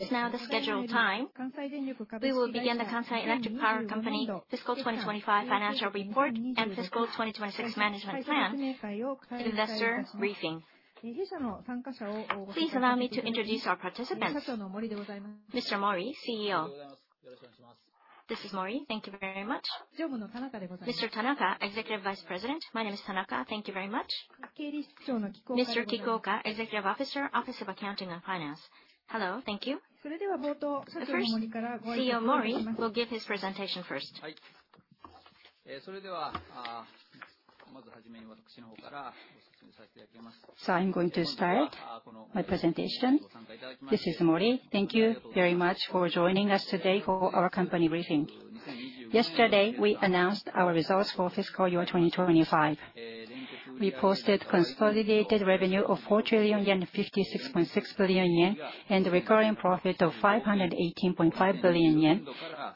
It's now the scheduled time. We will begin The Kansai Electric Power Company fiscal 2025 financial report and fiscal 2026 Management Plan investor briefing. Please allow me to introduce our participants. Mr. Mori, CEO. This is Mori. Thank you very much. Mr. Tanaka, Executive Vice President. My name is Tanaka. Thank you very much. Mr. Kikuoka, Executive Officer, Office of Accounting and Finance. Hello. Thank you. First, CEO Mori will give his presentation first. I'm going to start my presentation. This is Mori. Thank you very much for joining us today for our company briefing. Yesterday, we announced our results for fiscal year 2025. We posted consolidated revenue of 4 trillion yen, 56.6 billion yen, and recurring profit of 518.5 billion yen.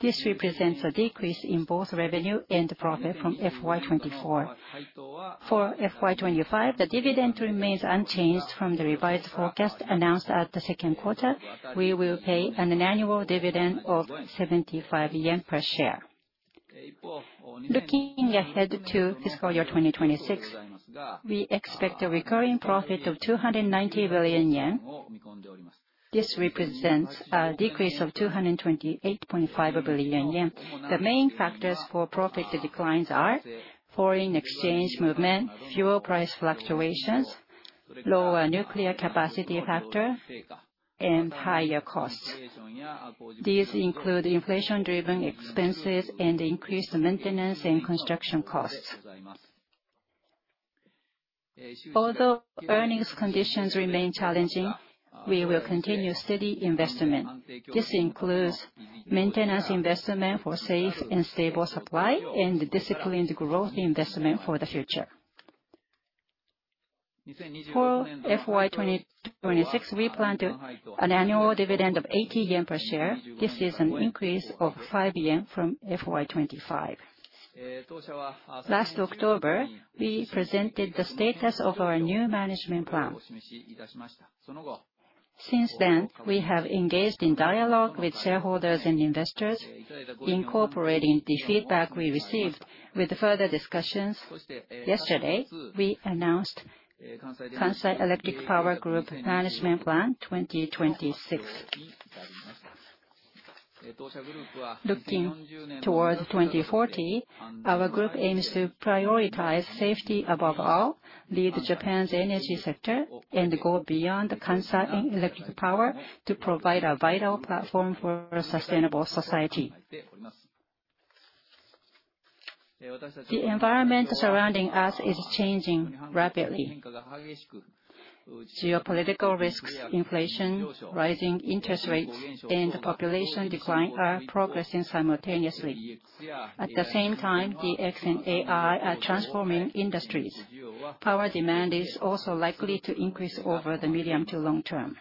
This represents a decrease in both revenue and profit from FY 2024. For FY 2025, the dividend remains unchanged from the revised forecast announced at the second quarter. We will pay an annual dividend of 75 yen per share. Looking ahead to fiscal year 2026, we expect a recurring profit of 290 billion yen. This represents a decrease of 228.5 billion yen. The main factors for profit declines are foreign exchange movement, fuel price fluctuations, lower nuclear capacity factor, and higher costs. These include inflation-driven expenses and increased maintenance and construction costs. Although earnings conditions remain challenging, we will continue steady investment. This includes maintenance investment for safe and stable supply and disciplined growth investment for the future. For FY 2026, we plan an annual dividend of 80 yen per share. This is an increase of 5 yen from FY 2025. Last October, we presented the status of our new management plan. Since then, we have engaged in dialogue with shareholders and investors, incorporating the feedback we received with further discussions. Yesterday, we announced Kansai Electric Power Group, Management Plan 2026. Looking towards 2040, our group aims to prioritize safety above all, lead Japan's energy sector, and go beyond Kansai Electric Power to provide a vital platform for a sustainable society. The environment surrounding us is changing rapidly. Geopolitical risks, inflation, rising interest rates, and population decline are progressing simultaneously. At the same time, DX and AI are transforming industries. Power demand is also likely to increase over the medium to long term.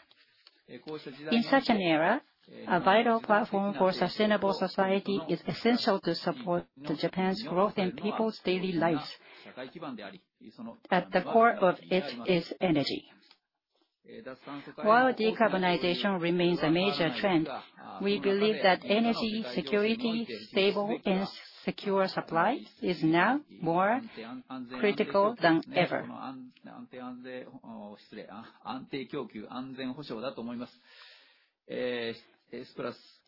In such an era, a vital platform for sustainable society is essential to support Japan's growth and people's daily lives. At the core of it is energy. While decarbonization remains a major trend, we believe that energy security, stable and secure supply, is now more critical than ever.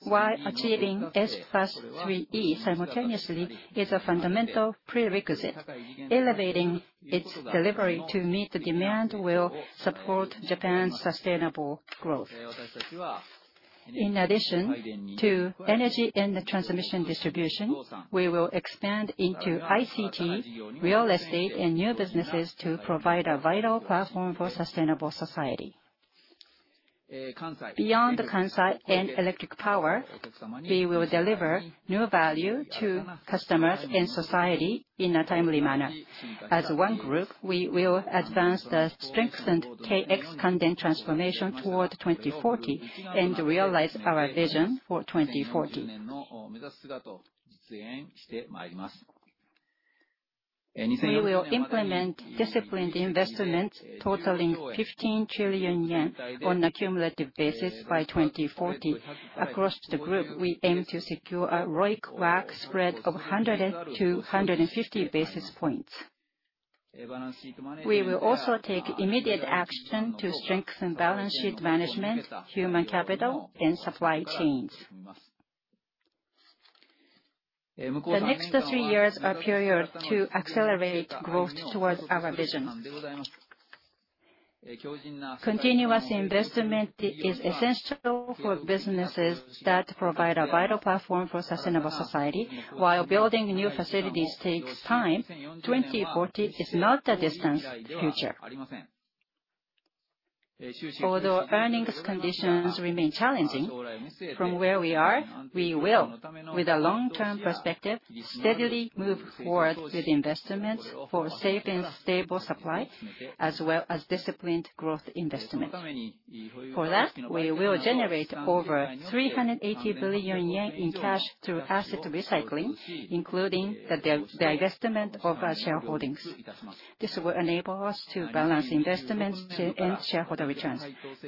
While achieving S+3E simultaneously is a fundamental prerequisite, elevating its delivery to meet the demand will support Japan's sustainable growth. In addition to energy and transmission distribution, we will expand into ICT, real estate, and new businesses to provide a vital platform for sustainable society. Beyond the Kansai and electric power, we will deliver new value to customers and society in a timely manner. As one group, we will advance the strengthened KX prudent transformation toward 2040 and realize our vision for 2040. We will implement disciplined investments totaling 15 trillion yen on a cumulative basis by 2040. Across the group, we aim to secure a ROIC WACC spread of 100 to 150 basis points. We will also take immediate action to strengthen balance sheet management, human capital, and supply chains. The next three years are period to accelerate growth towards our vision. Continuous investment is essential for businesses that provide a vital platform for sustainable society. While building new facilities takes time, 2040 is not a distant future. Although earnings conditions remain challenging, from where we are, we will, with a long-term perspective, steadily move forward with investments for safe and stable supply, as well as disciplined growth investments. For that, we will generate over 380 billion yen in cash through asset recycling, including the divestment of our shareholdings. This will enable us to balance investments and shareholder returns.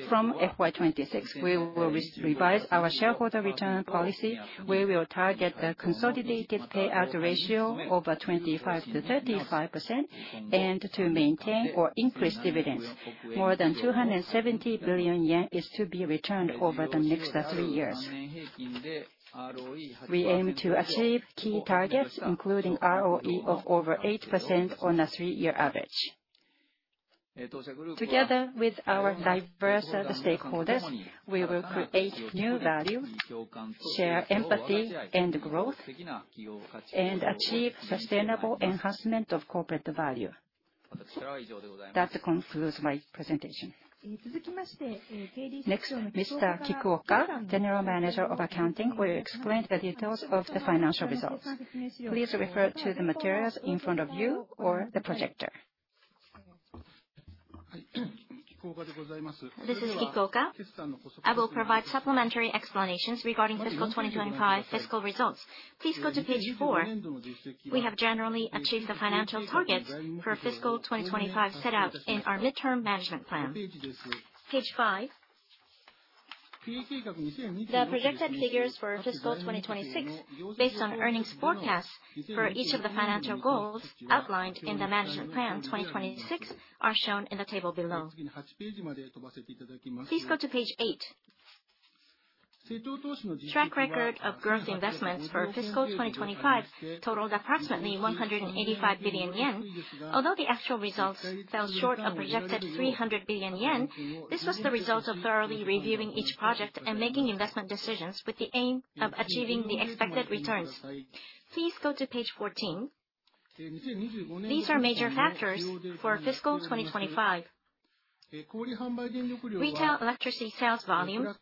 From FY 2026, we will revise our shareholder return policy, where we will target the consolidated payout ratio over 25%-35%, and to maintain or increase dividends. More than 270 billion yen is to be returned over the next three years. We aim to achieve key targets, including ROE of over 8% on a three-year average. Together with our diverse stakeholders, we will create new value, share empathy and growth, and achieve sustainable enhancement of corporate value. That concludes my presentation. Next, Mr. Kikuoka, General Manager of Accounting, will explain the details of the financial results. Please refer to the materials in front of you or the projector. This is Kikuoka. I will provide supplementary explanations regarding fiscal 2025 fiscal results. Please go to page four. We have generally achieved the financial targets for fiscal 2025 set out in our midterm management plan. Page five. The projected figures for fiscal 2026, based on earnings forecasts for each of the financial goals outlined in the Management Plan 2026, are shown in the table below. Please go to page eight. Track record of growth investments for fiscal 2025 totaled approximately 185 billion yen. Although the actual results fell short of projected 300 billion yen, this was the result of thoroughly reviewing each project and making investment decisions with the aim of achieving the expected returns. Please go to page 14. These are major factors for fiscal 2025. Retail electricity sales volume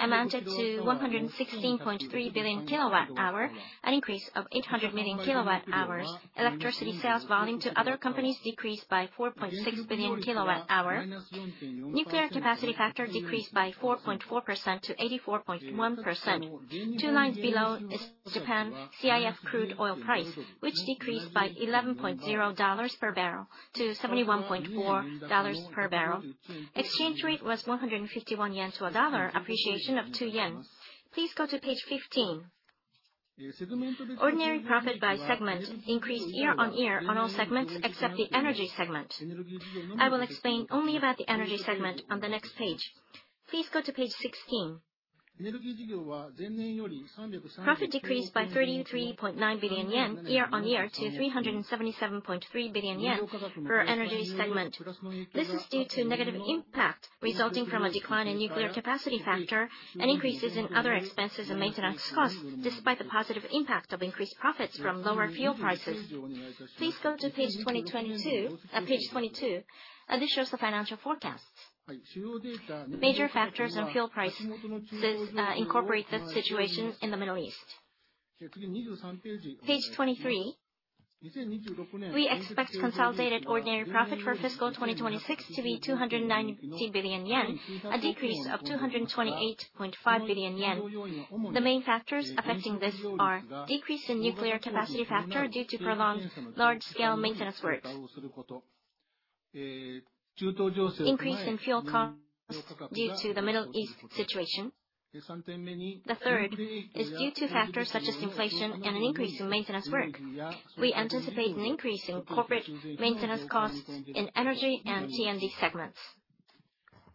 amounted to 116.3 billion kilowatt hour, an increase of 800 million kilowatt hours. Electricity sales volume to other companies decreased by 4.6 billion kilowatt hour. Nuclear capacity factor decreased by 4.4% to 84.1%. Two lines below is Japan CIF crude oil price, which decreased by $11.0 per barrel to $71.4 per barrel. Exchange rate was 151 yen to a dollar, appreciation of 2 yen. Please go to page 15. Ordinary profit by segment increased year-on-year on all segments except the energy segment. I will explain only about the energy segment on the next page. Please go to page 16. Profit decreased by 33.9 billion yen, year-on-year to 377.3 billion yen for energy segment. This is due to negative impact resulting from a decline in nuclear capacity factor and increases in other expenses and maintenance costs, despite the positive impact of increased profits from lower fuel prices. Please go to page 22. This shows the financial forecasts. Major factors on fuel prices incorporate the situation in the Middle East. Page 23. We expect consolidated ordinary profit for fiscal 2026 to be 290 billion yen, a decrease of 228.5 billion yen. The main factors affecting this are decrease in nuclear capacity factor due to prolonged large-scale maintenance work. Increase in fuel costs due to the Middle East situation. The third is due to factors such as inflation and an increase in maintenance work. We anticipate an increase in corporate maintenance costs in energy and T&D segments.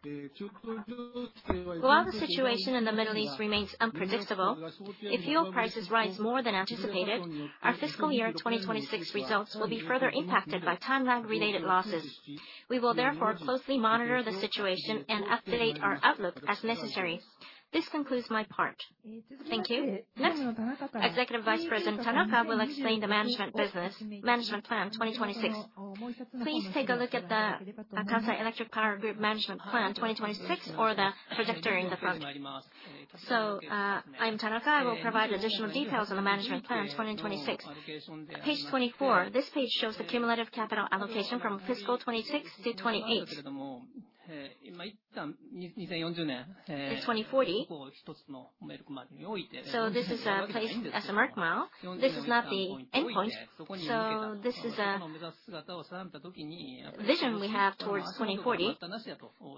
While the situation in the Middle East remains unpredictable, if fuel prices rise more than anticipated, our fiscal year 2026 results will be further impacted by timeline-related losses. We will therefore closely monitor the situation and update our outlook as necessary. This concludes my part. Thank you. Next, Executive Vice President Tanaka will explain the Management Plan 2026. Please take a look at the Kansai Electric Power Group, Management Plan 2026 or the projector in the front. I'm Tanaka. I will provide additional details on the Management Plan 2026. Page 24. This page shows the cumulative capital allocation from fiscal 2026 to 2028. In 2040, this is placed as a milestone. This is not the endpoint. This is a vision we have towards 2040,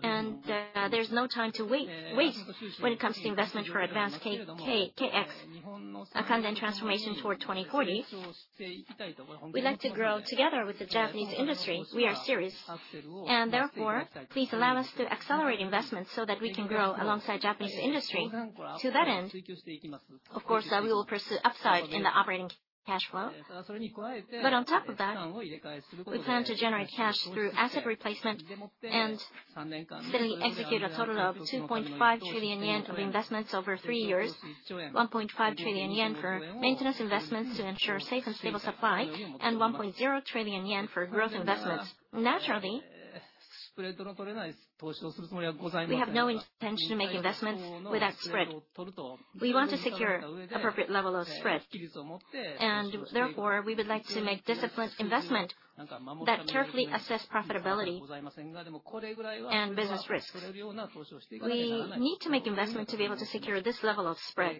and there's no time to wait when it comes to investment for advanced KX. Kansai transformation toward 2040. We'd like to grow together with the Japanese industry. We are serious. Therefore, please allow us to accelerate investments so that we can grow alongside Japanese industry. To that end, of course, we will pursue upside in the operating cash flow. On top of that, we plan to generate cash through asset replacement and steadily execute a total of 2.5 trillion yen of investments over three years. 1.5 trillion yen for maintenance investments to ensure safe and stable supply, and 1.0 trillion yen for growth investments. Naturally, we have no intention to make investments without spread. We want to secure appropriate level of spread. Therefore, we would like to make disciplined investment that carefully assess profitability and business risks. We need to make investment to be able to secure this level of spread.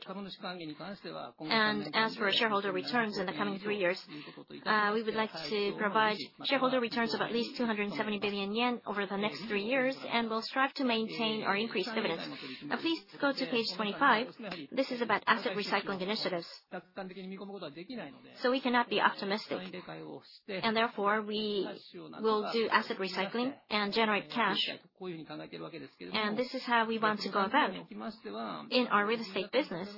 As for our shareholder returns in the coming three years, we would like to provide shareholder returns of at least 270 billion yen over the next three years, and will strive to maintain or increase dividends. Now, please go to page 25. This is about asset recycling initiatives. We cannot be optimistic, therefore, we will do asset recycling and generate cash. This is how we want to go about it. In our real estate business,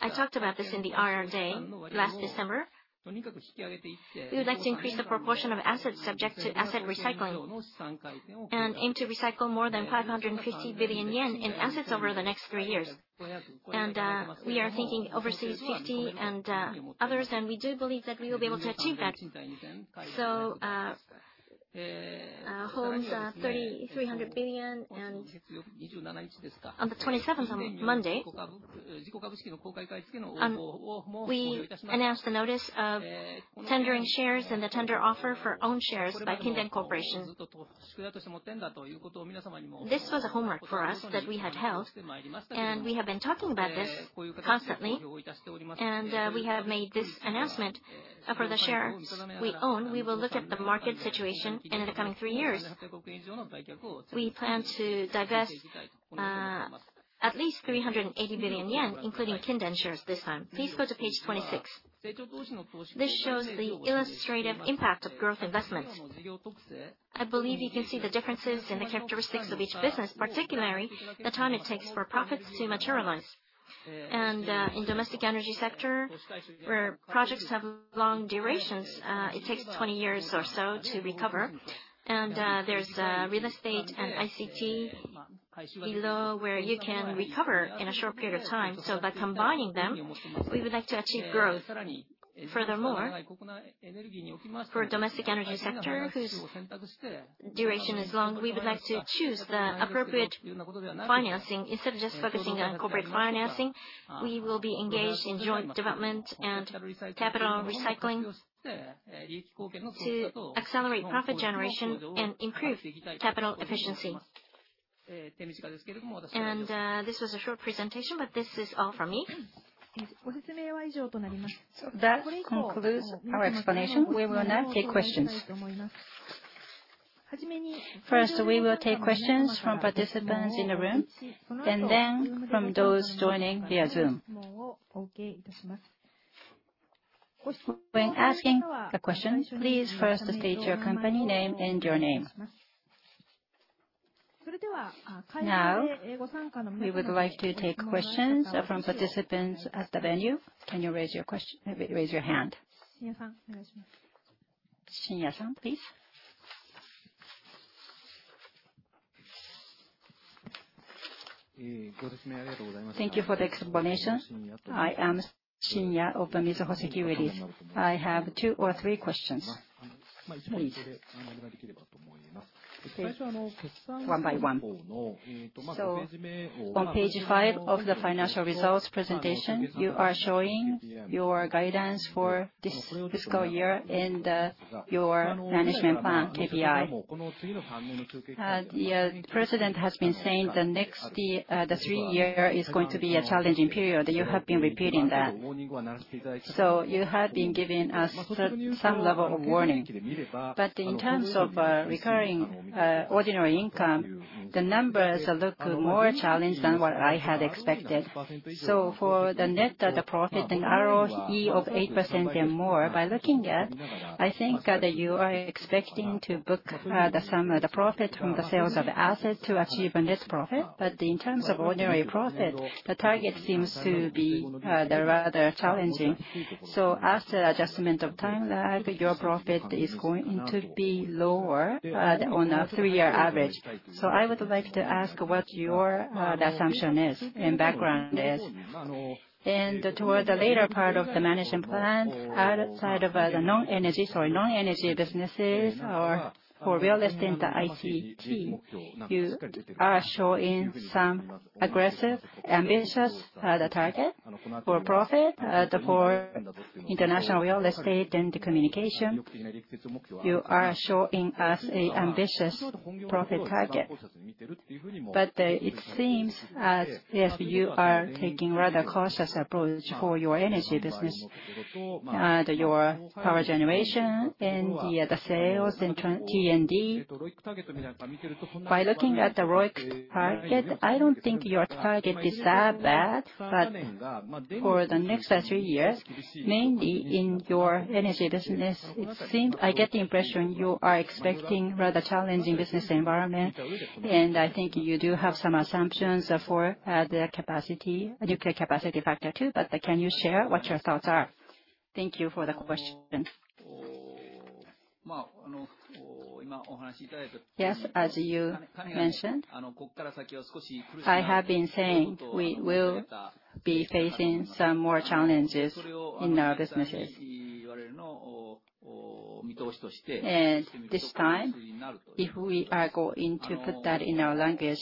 I talked about this in the IR Day last December. We would like to increase the proportion of assets subject to asset recycling, and aim to recycle more than 550 billion yen in assets over the next three years. We are thinking overseas 50 and others, we do believe that we will be able to achieve that. Homes, 300 billion. On the 27th, on Monday, we announced a notice of tendering shares and the tender offer for own shares by Kinden Corporation. This was a homework for us that we had held. We have been talking about this constantly, and we have made this announcement. For the shares we own, we will look at the market situation in the coming three years. We plan to divest at least 380 billion yen, including Kinden shares this time. Please go to page 26. This shows the illustrative impact of growth investment. I believe you can see the differences in the characteristics of each business, particularly the time it takes for profits to materialize. In domestic energy sector, where projects have long durations, it takes 20 years or so to recover. There's real estate and ICT below, where you can recover in a short period of time. By combining them, we would like to achieve growth. Furthermore, for domestic energy sector, whose duration is long, we would like to choose the appropriate financing. Instead of just focusing on corporate financing, we will be engaged in joint development and capital recycling to accelerate profit generation and improve capital efficiency. This was a short presentation, but this is all from me. That concludes our explanation. We will now take questions. First, we will take questions from participants in the room, and then from those joining via Zoom. When asking a question, please first state your company name and your name. Now, we would like to take questions from participants at the venue. Can you raise your hand? Shinya, please. Thank you for the explanation. I am Shinya of Mizuho Securities. I have two or three questions. Please. One by one. On page five of the financial results presentation, you are showing your guidance for this fiscal year and your management plan, KPI. The president has been saying the three years is going to be a challenging period, and you have been repeating that. You have been giving us some level of warning. In terms of recurring ordinary income, the numbers look more challenged than what I had expected. For the net profit and ROE of 8% and more, by looking at, I think that you are expecting to book the sum of the profit from the sales of assets to achieve a net profit. In terms of ordinary profit, the target seems to be rather challenging. After adjustment of time lag, your profit is going to be lower on a three-year average. I would like to ask what your assumption is and background is. Toward the later part of the management plan, outside of the non-energy businesses or for real estate and ICT, you are showing some aggressive, ambitious target for profit. For international real estate and communication, you are showing us an ambitious profit target. It seems as if you are taking a rather cautious approach for your energy business and your power generation and the other sales, and T&D. By looking at the ROIC target, I don't think your target is that bad. For the next three years, mainly in your energy business, I get the impression you are expecting a rather challenging business environment. I think you do have some assumptions for the capacity, nuclear capacity factor too. Can you share what your thoughts are? Thank you for the question. Yes, as you mentioned, I have been saying we will be facing some more challenges in our businesses. This time, if we are going to put that in our language,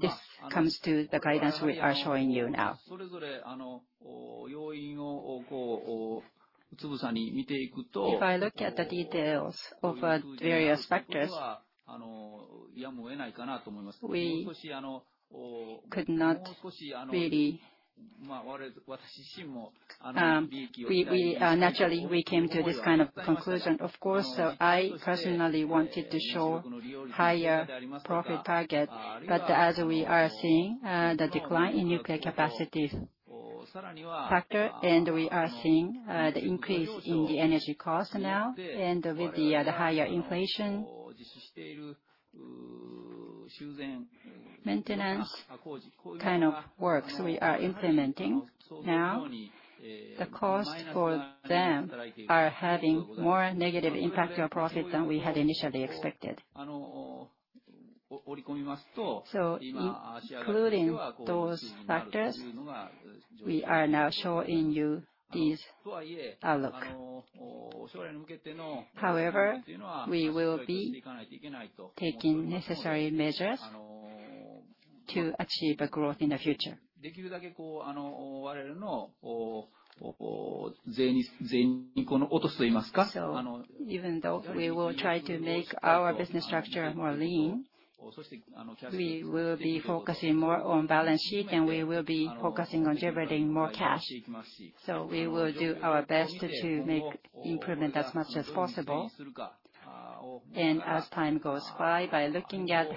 this comes to the guidance we are showing you now. If I look at the details of various factors, we could not really Naturally, we came to this kind of conclusion, of course. I personally wanted to show higher profit target, but as we are seeing the decline in nuclear capacity factor, and we are seeing the increase in the energy cost now, and with the higher inflation maintenance kind of works we are implementing now, the costs for them are having more negative impact on profit than we had initially expected. Including those factors, we are now showing you this outlook. However, we will be taking necessary measures to achieve growth in the future. Even though we will try to make our business structure more lean, we will be focusing more on balance sheet, and we will be focusing on generating more cash. We will do our best to make improvement as much as possible. As time goes by looking at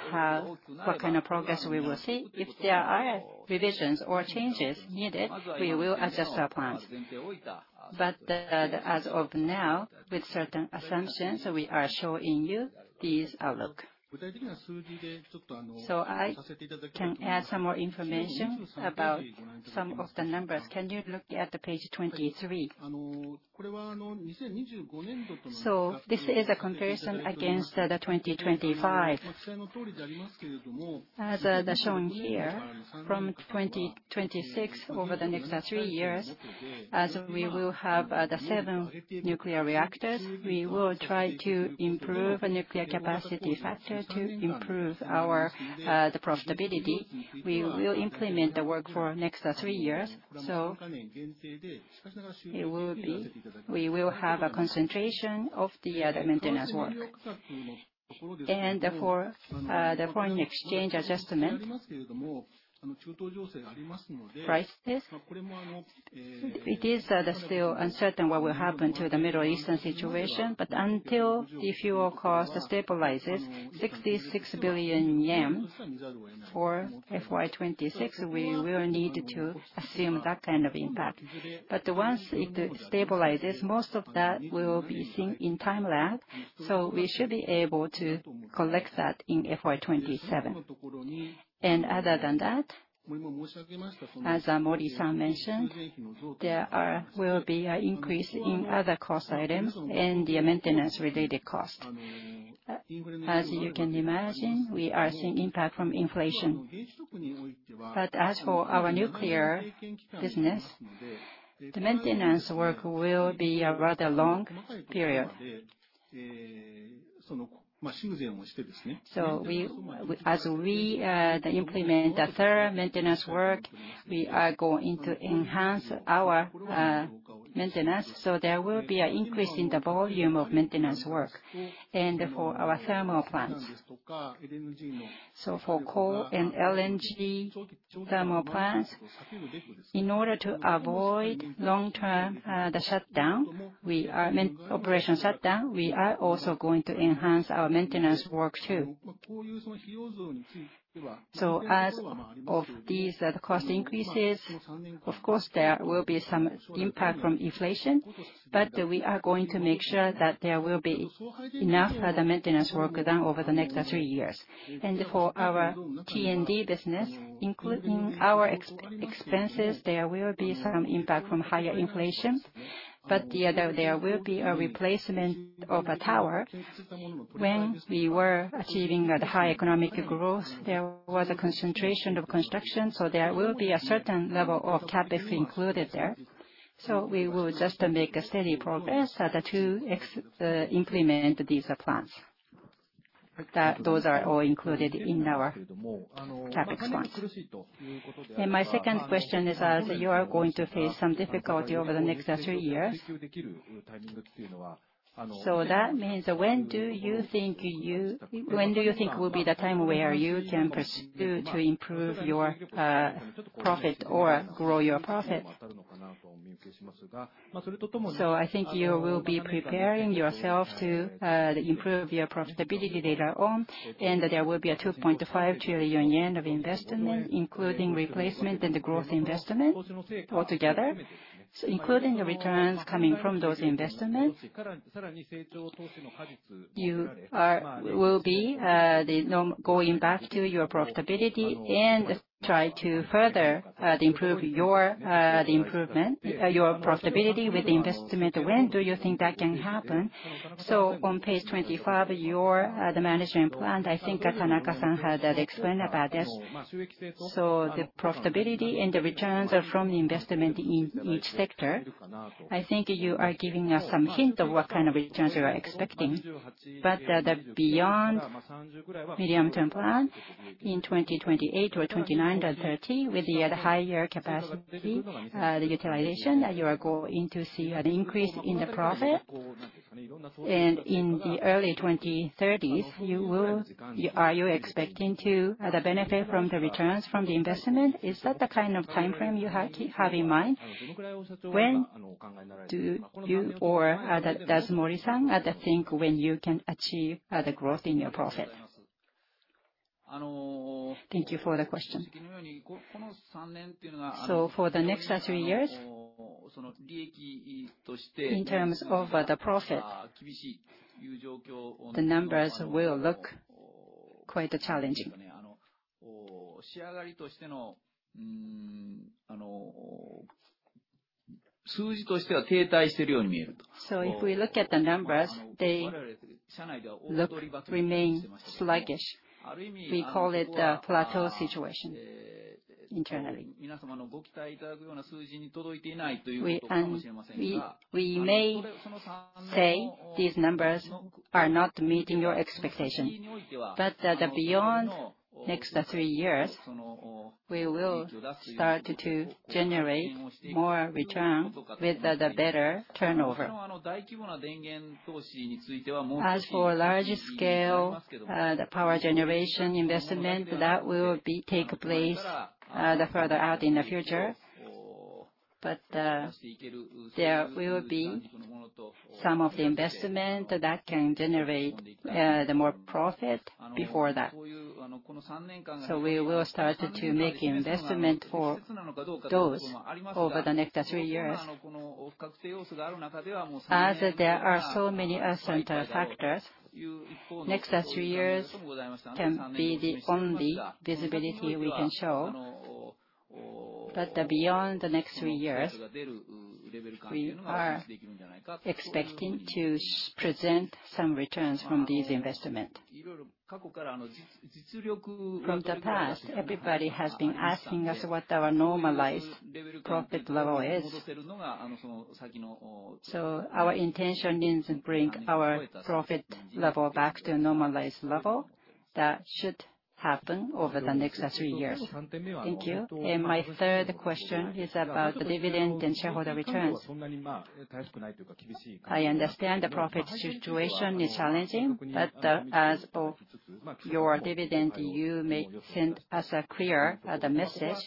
what kind of progress we will see, if there are revisions or changes needed, we will adjust our plans. As of now, with certain assumptions, we are showing you this outlook. I can add some more information about some of the numbers. Can you look at page 23? This is a comparison against 2025. As shown here, from 2026 over the next three years, as we will have the seven nuclear reactors, we will try to improve nuclear capacity factor to improve our profitability. We will implement the work for the next three years, we will have a concentration of the maintenance work. Therefore, the foreign exchange adjustment prices, it is still uncertain what will happen to the Middle Eastern situation. Until the fuel cost stabilizes, 66 billion yen for FY 2026, we will need to assume that kind of impact. Once it stabilizes, most of that will be seen in time lag, we should be able to collect that in FY 2027. Other than that, as Mori-san mentioned, there will be an increase in other cost items and the maintenance-related cost. As you can imagine, we are seeing impact from inflation. As for our nuclear business, the maintenance work will be a rather long period. As we implement the third maintenance work, we are going to enhance our maintenance. There will be an increase in the volume of maintenance work. For our thermal plants, for coal and LNG thermal plants, in order to avoid long-term operation shutdown, we are also going to enhance our maintenance work too. As of these cost increases, of course, there will be some impact from inflation, but we are going to make sure that there will be enough maintenance work done over the next three years. For our T&D business, including our expenses, there will be some impact from higher inflation. There will be a replacement of a tower. When we were achieving high economic growth, there was a concentration of construction, there will be a certain level of CapEx included there. We will just make a steady progress to implement these plans. Those are all included in our CapEx plans. My second question is as you are going to face some difficulty over the next three years, that means, when do you think will be the time where you can pursue to improve your profit or grow your profit? I think you will be preparing yourselves to improve your profitability later on, and there will be a 2.5 trillion yen of investment, including replacement and growth investment altogether. Including the returns coming from those investments, you will be going back to your profitability and try to further improve your profitability with investment. When do you think that can happen? On page 25, your Management Plan, I think Tanaka-san had explained about this. The profitability and the returns from the investment in each sector, I think you are giving us some hint of what kind of returns you are expecting. Beyond the medium-term plan in 2028 or 2029 or 2030, with the higher capacity utilization, you are going to see an increase in the profit. In the early 2030s, are you expecting to benefit from the returns from the investment? Is that the kind of timeframe you have in mind? When do you or does Mori-san think when you can achieve the growth in your profit? Thank you for the question. For the next three years, in terms of the profit, the numbers will look quite challenging. If we look at the numbers, they remain sluggish. We call it a plateau situation internally. We may say these numbers are not meeting your expectations, but beyond the next three years, we will start to generate more return with better turnover. As for large-scale power generation investment, that will take place further out in the future. There will be some of the investment that can generate more profit before that. We will start to make investment for those over the next three years. There are so many uncertain factors, the next three years can be the only visibility we can show. Beyond the next three years, we are expecting to present some returns from this investment. From the past, everybody has been asking us what our normalized profit level is. Our intention is to bring our profit level back to a normalized level that should happen over the next three years. Thank you. My third question is about the dividend and shareholder returns. I understand the profit situation is challenging, but as of your dividend, you may send us a clear message,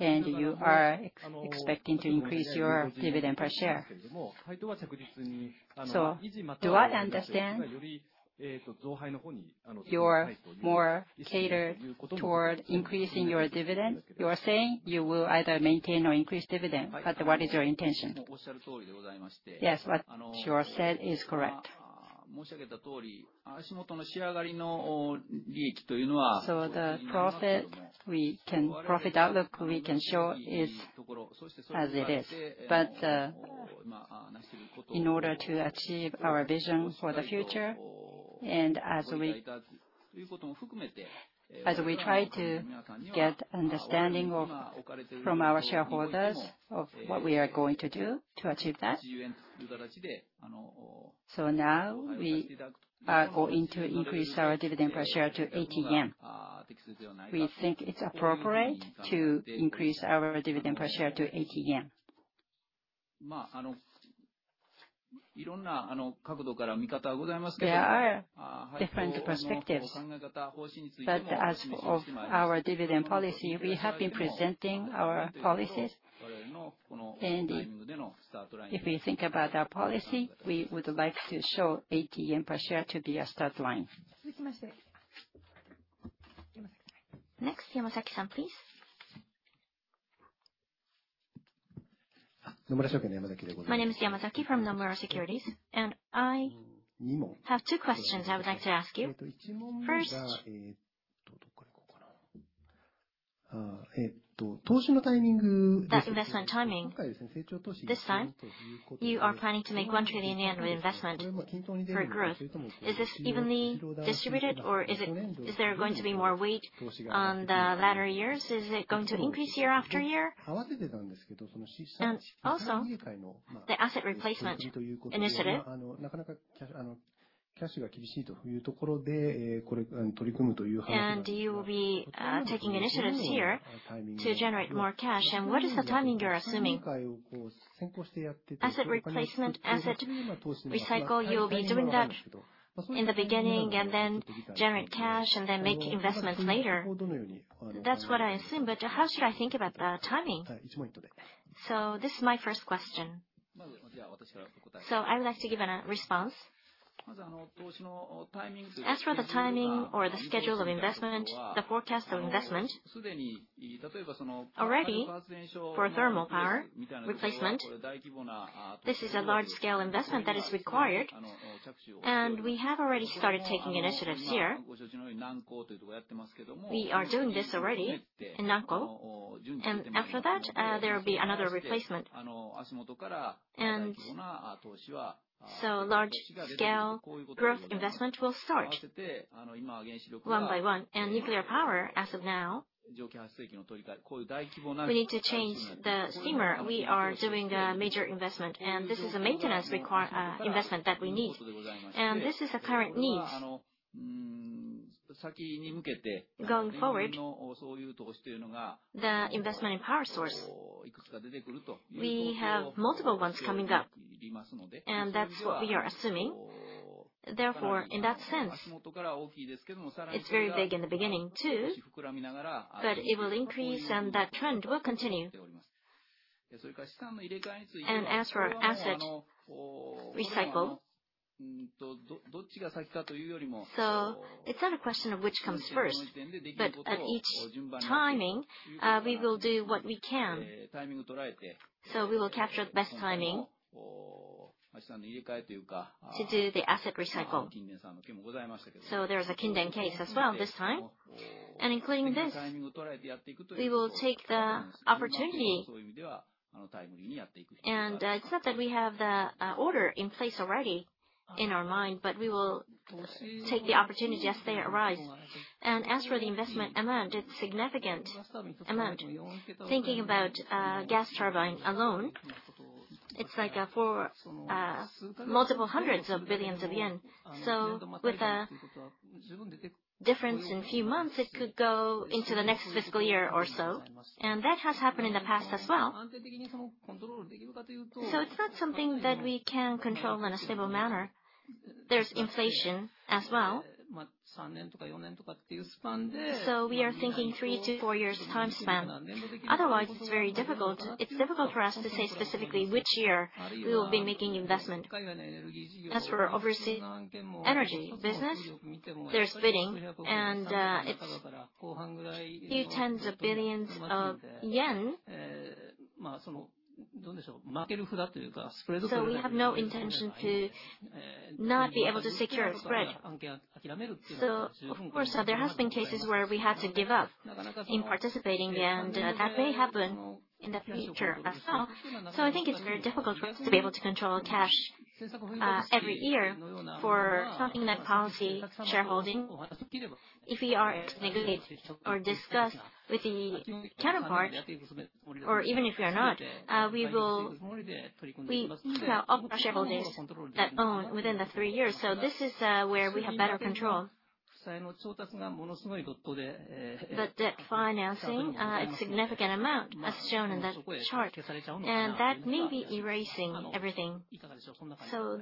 and you are expecting to increase your dividend per share. Do I understand you're more catered toward increasing your dividend? You are saying you will either maintain or increase dividend, but what is your intention? Yes. What you said is correct. The profit outlook we can show is as it is. In order to achieve our vision for the future, and as we try to get understanding from our shareholders of what we are going to do to achieve that, now we are going to increase our dividend per share to 80 yen. We think it's appropriate to increase our dividend per share to 80 yen. There are different perspectives, as of our dividend policy, we have been presenting our policies, and if we think about our policy, we would like to show JPY 80 per share to be a start line. Next, Shinichi-san, please. My name is Yamazaki from Nomura Securities. I have two questions I would like to ask you. First, the investment timing. This time, you are planning to make 1 trillion yen of investment for growth. Is this evenly distributed, or is there going to be more weight on the latter years? Is it going to increase year after year? Also, the asset replacement initiative. You will be taking initiatives here to generate more cash. What is the timing you are assuming? Asset replacement, asset recycle, you will be doing that in the beginning and then generate cash and then make investments later. That is what I assume, but how should I think about the timing? This is my first question. I would like to give a response. As for the timing or the schedule of investment, the forecast of investment, already for thermal power replacement, this is a large-scale investment that is required. We have already started taking initiatives here. We are doing this already in Nanko. After that, there will be another replacement. Large-scale growth investment will start one by one. Nuclear power, as of now, we need to change the steamer. We are doing a major investment. This is a maintenance investment that we need. This is a current need. Going forward, the investment in power source, we have multiple ones coming up. That is what we are assuming. Therefore, in that sense, it is very big in the beginning, too, but it will increase, and that trend will continue. As for asset recycle, it is not a question of which comes first, but at each timing, we will do what we can. We will capture the best timing to do the asset recycle. There is a Kinden case as well this time. Including this, we will take the opportunity. It is not that we have the order in place already in our mind, but we will take the opportunity as they arise. As for the investment amount, it is a significant amount. Thinking about gas turbine alone, it is like for multiple hundreds of billions of JPY. With a difference in a few months, it could go into the next fiscal year or so. That has happened in the past as well. It is not something that we can control in a stable manner. There is inflation as well. We are thinking three to four years time span. Otherwise, it is very difficult. It is difficult for us to say specifically which year we will be making investment. As for our overseas energy business, there is bidding and it is a few tens of billions of JPY. We have no intention to not be able to secure spread. Of course, there have been cases where we had to give up participating, and that may happen in the future as well. I think it is very difficult for us to be able to control cash every year for something like policy shareholding. If we are to negotiate or discuss with the counterpart, or even if we are not, we keep our shareholders that own within the three years. This is where we have better control. Debt financing is a significant amount as shown in the chart, that may be erasing everything.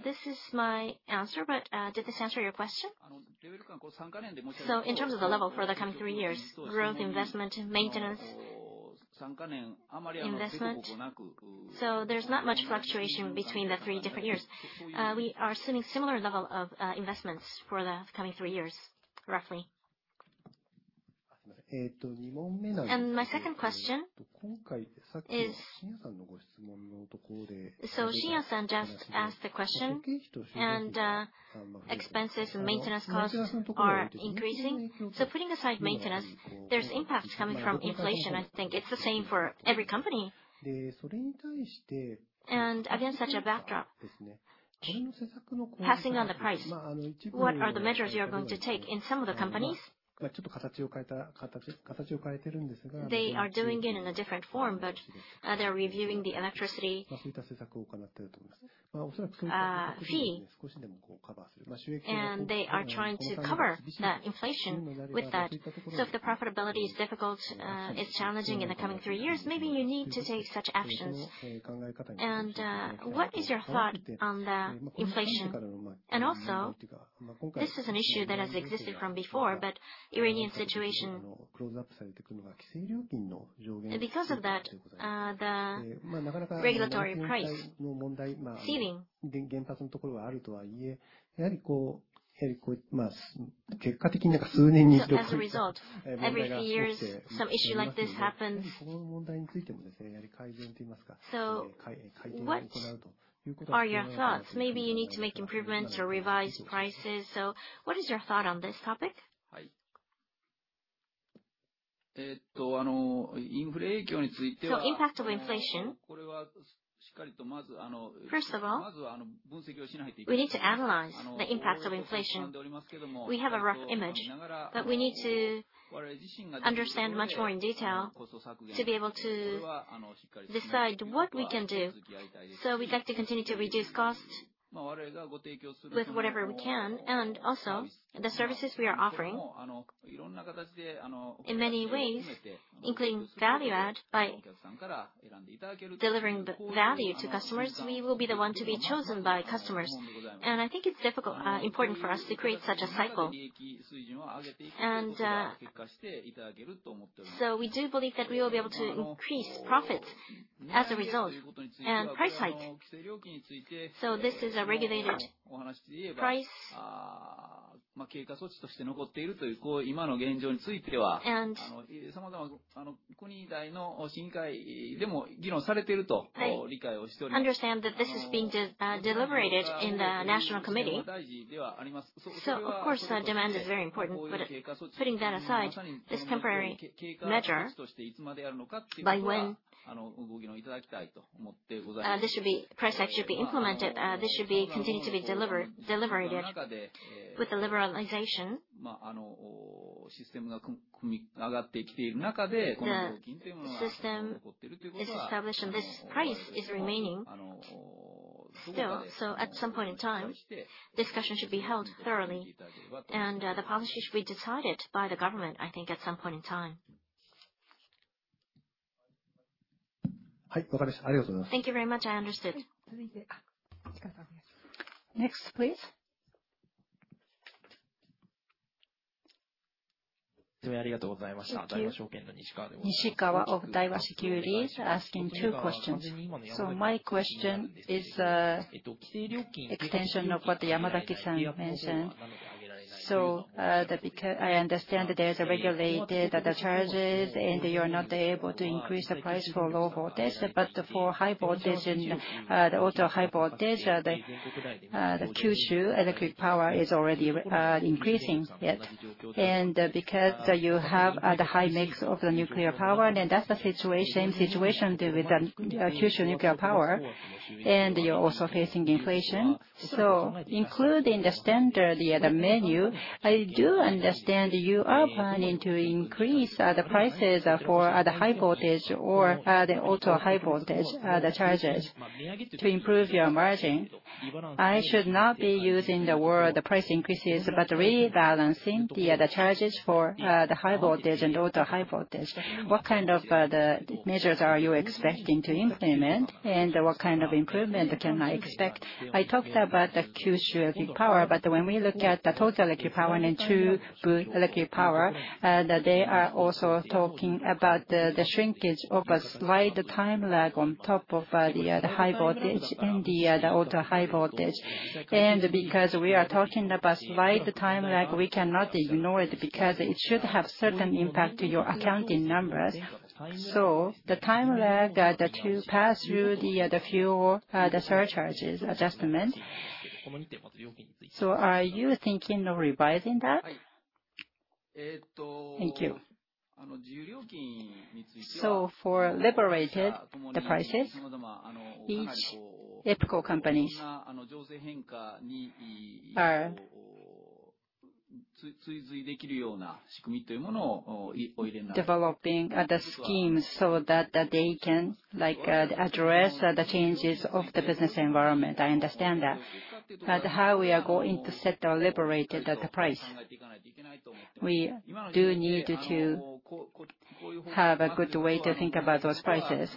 This is my answer, but did this answer your question? In terms of the level for the coming three years, growth, investment, maintenance investment, there's not much fluctuation between the three different years. We are assuming a similar level of investments for the coming three years, roughly. My second question is, Shinya just asked the question, expenses and maintenance costs are increasing. Putting aside maintenance, there's impact coming from inflation, I think. It's the same for every company. Against such a backdrop, passing on the price, what are the measures you are going to take? In some of the companies, they are doing it in a different form, but they're reviewing the electricity fee, they are trying to cover that inflation with that. If the profitability is challenging in the coming three years, maybe you need to take such actions. What is your thought on the inflation? Also, this is an issue that has existed from before, but the uranium situation. Because of that, the regulatory price ceiling, as a result, every few years, some issue like this happens. What are your thoughts? Maybe you need to make improvements or revise prices. What is your thought on this topic? Impact of inflation. First of all, we need to analyze the impact of inflation. We have a rough image, but we need to understand much more in detail to be able to decide what we can do. We'd like to continue to reduce costs with whatever we can. Also, the services we are offering, in many ways, including value add, by delivering the value to customers, we will be the one to be chosen by customers. I think it's important for us to create such a cycle. We do believe that we will be able to increase profit as a result. Price hike. This is a regulated price. I understand that this is being deliberated in the national committee. Of course, demand is very important, but putting that aside, this temporary measure, by when this price hike should be implemented? This should continue to be deliberated with the liberalization. The system is established, and this price is remaining still. At some point in time, discussion should be held thoroughly, and the policy should be decided by the government, I think, at some point in time. Thank you very much. I understood. Next, please. Thank you. Nishikawa of Daiwa Securities, asking two questions. My question is extension of what Yamazaki-san mentioned. I understand there's a regulated charges, and you're not able to increase the price for low voltage. But for ultra-high voltage, Kyushu Electric Power is already increasing it. Because you have the high mix of the nuclear power, that's the situation with the Kyushu nuclear power, and you're also facing inflation. Including the standard menu, I do understand you are planning to increase the prices for the high voltage or the ultra-high voltage, the charges, to improve your margin. I should not be using the word the price increases, but rebalancing the other charges for the high voltage and ultra-high voltage. What kind of measures are you expecting to implement, and what kind of improvement can I expect? I talked about the Kyushu Electric Power, but when we look at the total electric power and Chubu Electric Power, they are also talking about the shrinkage of a slight time lag on top of the high voltage and the ultra-high voltage. Because we are talking about slight time lag, we cannot ignore it, because it should have certain impact to your accounting numbers. The time lag to pass through the fuel surcharges adjustment. Are you thinking of revising that? Thank you. For liberated the prices, each EPCO companies are developing the schemes so that they can address the changes of the business environment. I understand that. How we are going to set or liberate the price, we do need to have a good way to think about those prices.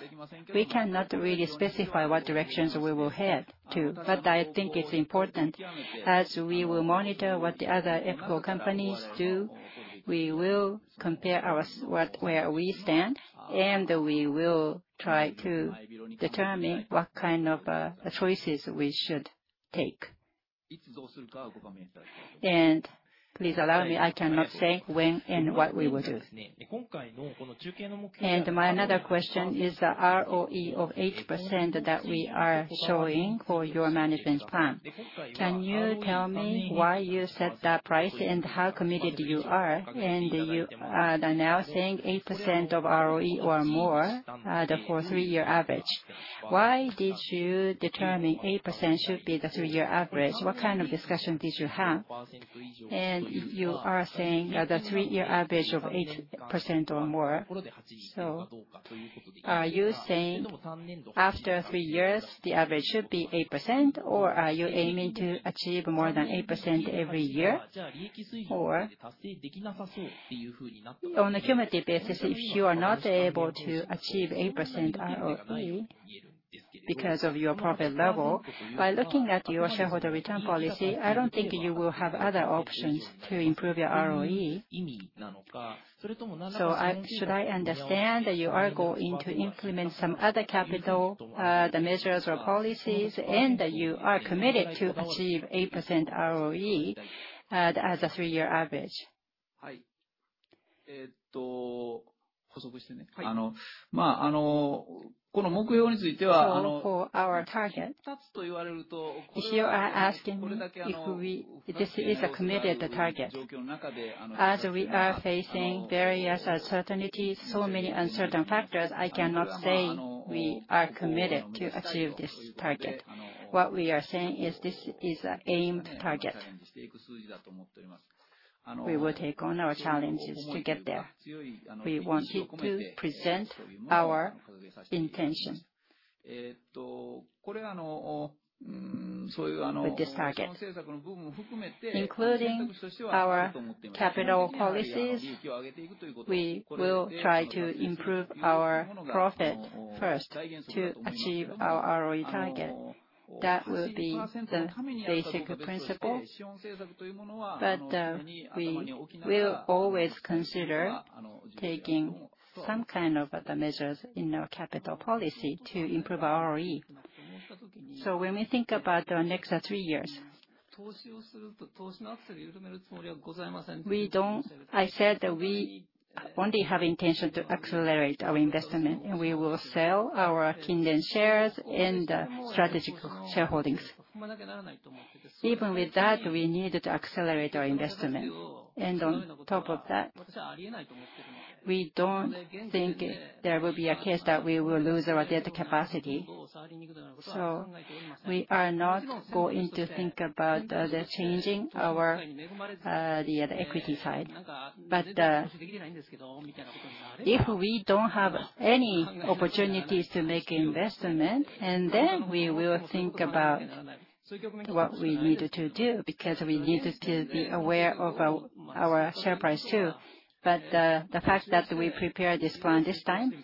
We cannot really specify what directions we will head to. I think it's important, as we will monitor what the other EPCO companies do, we will compare where we stand, and we will try to determine what kind of choices we should take. Please allow me, I cannot say when and what we will do. My other question is the ROE of 8% that we are showing for your Management Plan. Can you tell me why you set that price, and how committed you are? You are now saying 8% of ROE or more for three-year average. Why did you determine 8% should be the three-year average? What kind of discussion did you have? You are saying the three-year average of 8% or more. Are you saying after three years, the average should be 8%, or are you aiming to achieve more than 8% every year? On a cumulative basis, if you are not able to achieve 8% ROE because of your profit level, by looking at your shareholder return policy, I don't think you will have other options to improve your ROE. Should I understand that you are going to implement some other capital, the measures or policies, and that you are committed to achieve 8% ROE as a three-year average? For our target, if you are asking me if this is a committed target, as we are facing various uncertainties, so many uncertain factors, I cannot say we are committed to achieve this target. What we are saying is this is an aimed target. We will take on our challenges to get there. We wanted to present our intention with this target. Including our capital policies, we will try to improve our profit first to achieve our ROE target. That will be the basic principle. We will always consider taking some kind of other measures in our capital policy to improve our ROE. When we think about the next three years, I said that we only have intention to accelerate our investment, and we will sell our Kinden shares and strategic shareholdings. Even with that, we needed to accelerate our investment. On top of that, we don't think there will be a case that we will lose our debt capacity. We are not going to think about the changing our equity side. If we don't have any opportunities to make investment, and then we will think about what we need to do, because we need to be aware of our share price, too. The fact that we prepared this plan this time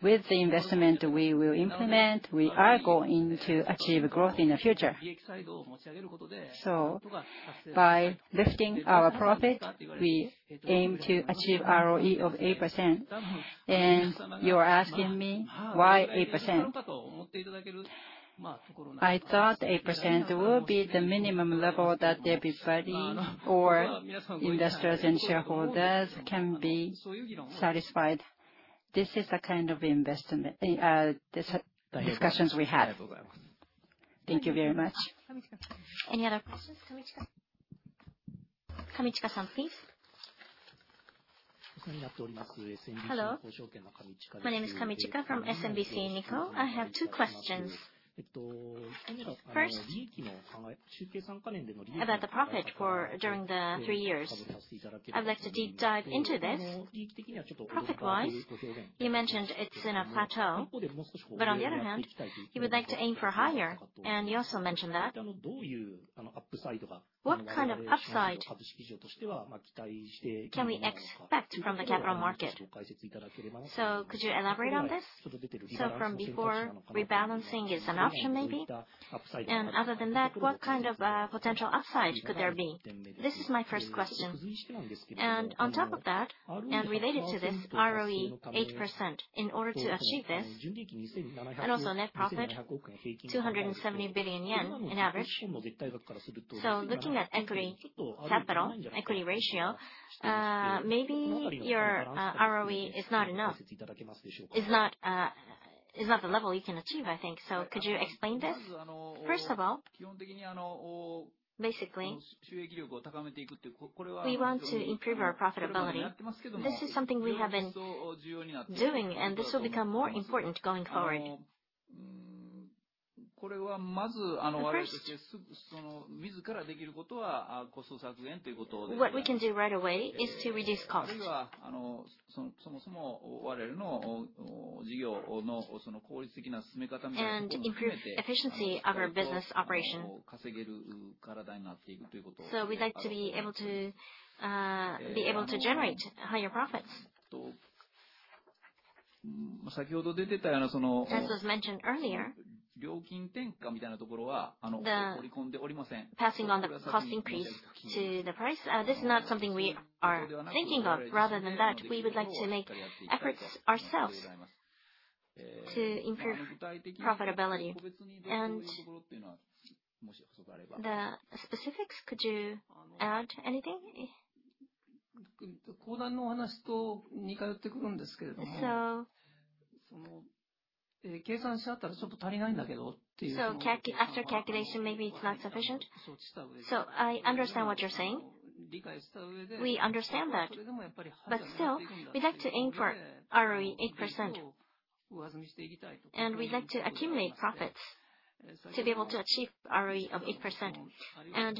With the investment we will implement, we are going to achieve growth in the future. By lifting our profit, we aim to achieve ROE of 8%. You are asking me, 'Why 8%?' I thought 8% will be the minimum level that everybody or investors and shareholders can be satisfied. This is the kind of discussions we had. Thank you very much. Any other questions? Kamichika. Kamichika-san, please. Hello. My name is Kamichika from SMBC Nikko. I have two questions. First, about the profit for during the three years. I would like to deep dive into this. Profit-wise, you mentioned it's in a plateau, on the other hand, you would like to aim for higher, and you also mentioned that. What kind of upside can we expect from the capital market? Could you elaborate on this? From before, rebalancing is an option, maybe. Other than that, what kind of potential upside could there be? This is my first question. On top of that, related to this, ROE 8%, in order to achieve this, also net profit 270 billion yen in average. Looking at equity capital, equity ratio, maybe your ROE is not the level you can achieve, I think. Could you explain this? First of all, basically, we want to improve our profitability. This is something we have been doing, and this will become more important going forward. First, what we can do right away is to reduce cost and improve efficiency of our business operation. We'd like to be able to generate higher profits. As was mentioned earlier, the passing on the cost increase to the price, this is not something we are thinking of. Rather than that, we would like to make efforts ourselves to improve profitability. The specifics, could you add anything? After calculation, maybe it's not sufficient. I understand what you're saying. We understand that. Still, we'd like to aim for ROE 8%. We'd like to accumulate profits to be able to achieve ROE of 8%.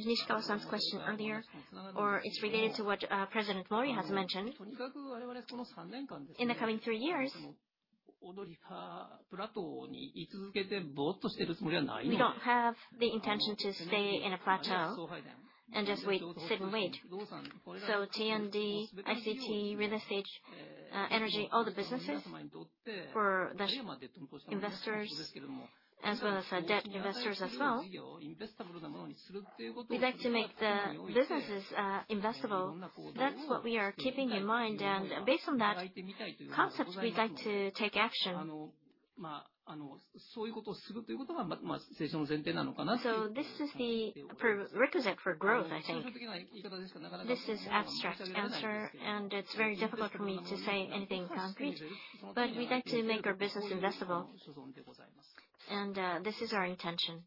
Shusaku-san's question earlier, or it's related to what President Mori has mentioned. In the coming three years, we don't have the intention to stay in a plateau and just sit and wait. T&D, ICT, real estate, energy, all the businesses for the investors as well as our debt investors as well, we'd like to make the businesses investable. That's what we are keeping in mind. Based on that concept, we'd like to take action. This is the prerequisite for growth, I think. This is abstract answer, and it's very difficult for me to say anything concrete, but we'd like to make our business investable. This is our intention.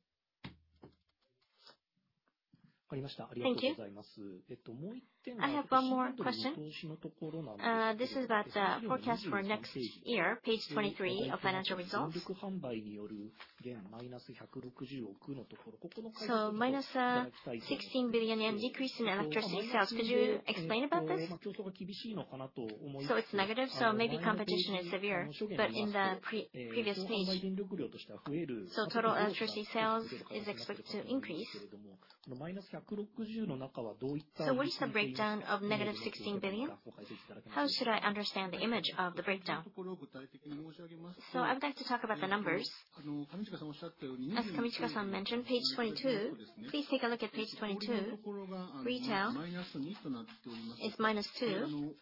Thank you. I have one more question. This is about the forecast for next year, page 23 of financial results. Minus 16 billion yen decrease in electricity sales. Could you explain about this? It's negative, so maybe competition is severe, but in the previous page, so total electricity sales is expected to increase. What is the breakdown of negative 16 billion? How should I understand the image of the breakdown? I would like to talk about the numbers. As Kamichika-san mentioned, page 22. Please take a look at page 22. Retail is minus two.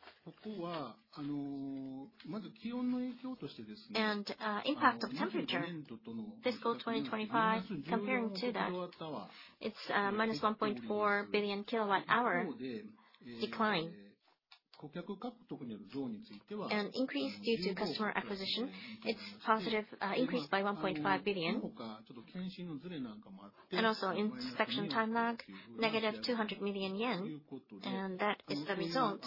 Impact of temperature, FY 2025, comparing to that, it is a minus 1.4 billion kilowatt hour decline. Increase due to customer acquisition, it is positive, increase by 1.5 billion. Also inspection time lag, negative 200 million yen, that is the result.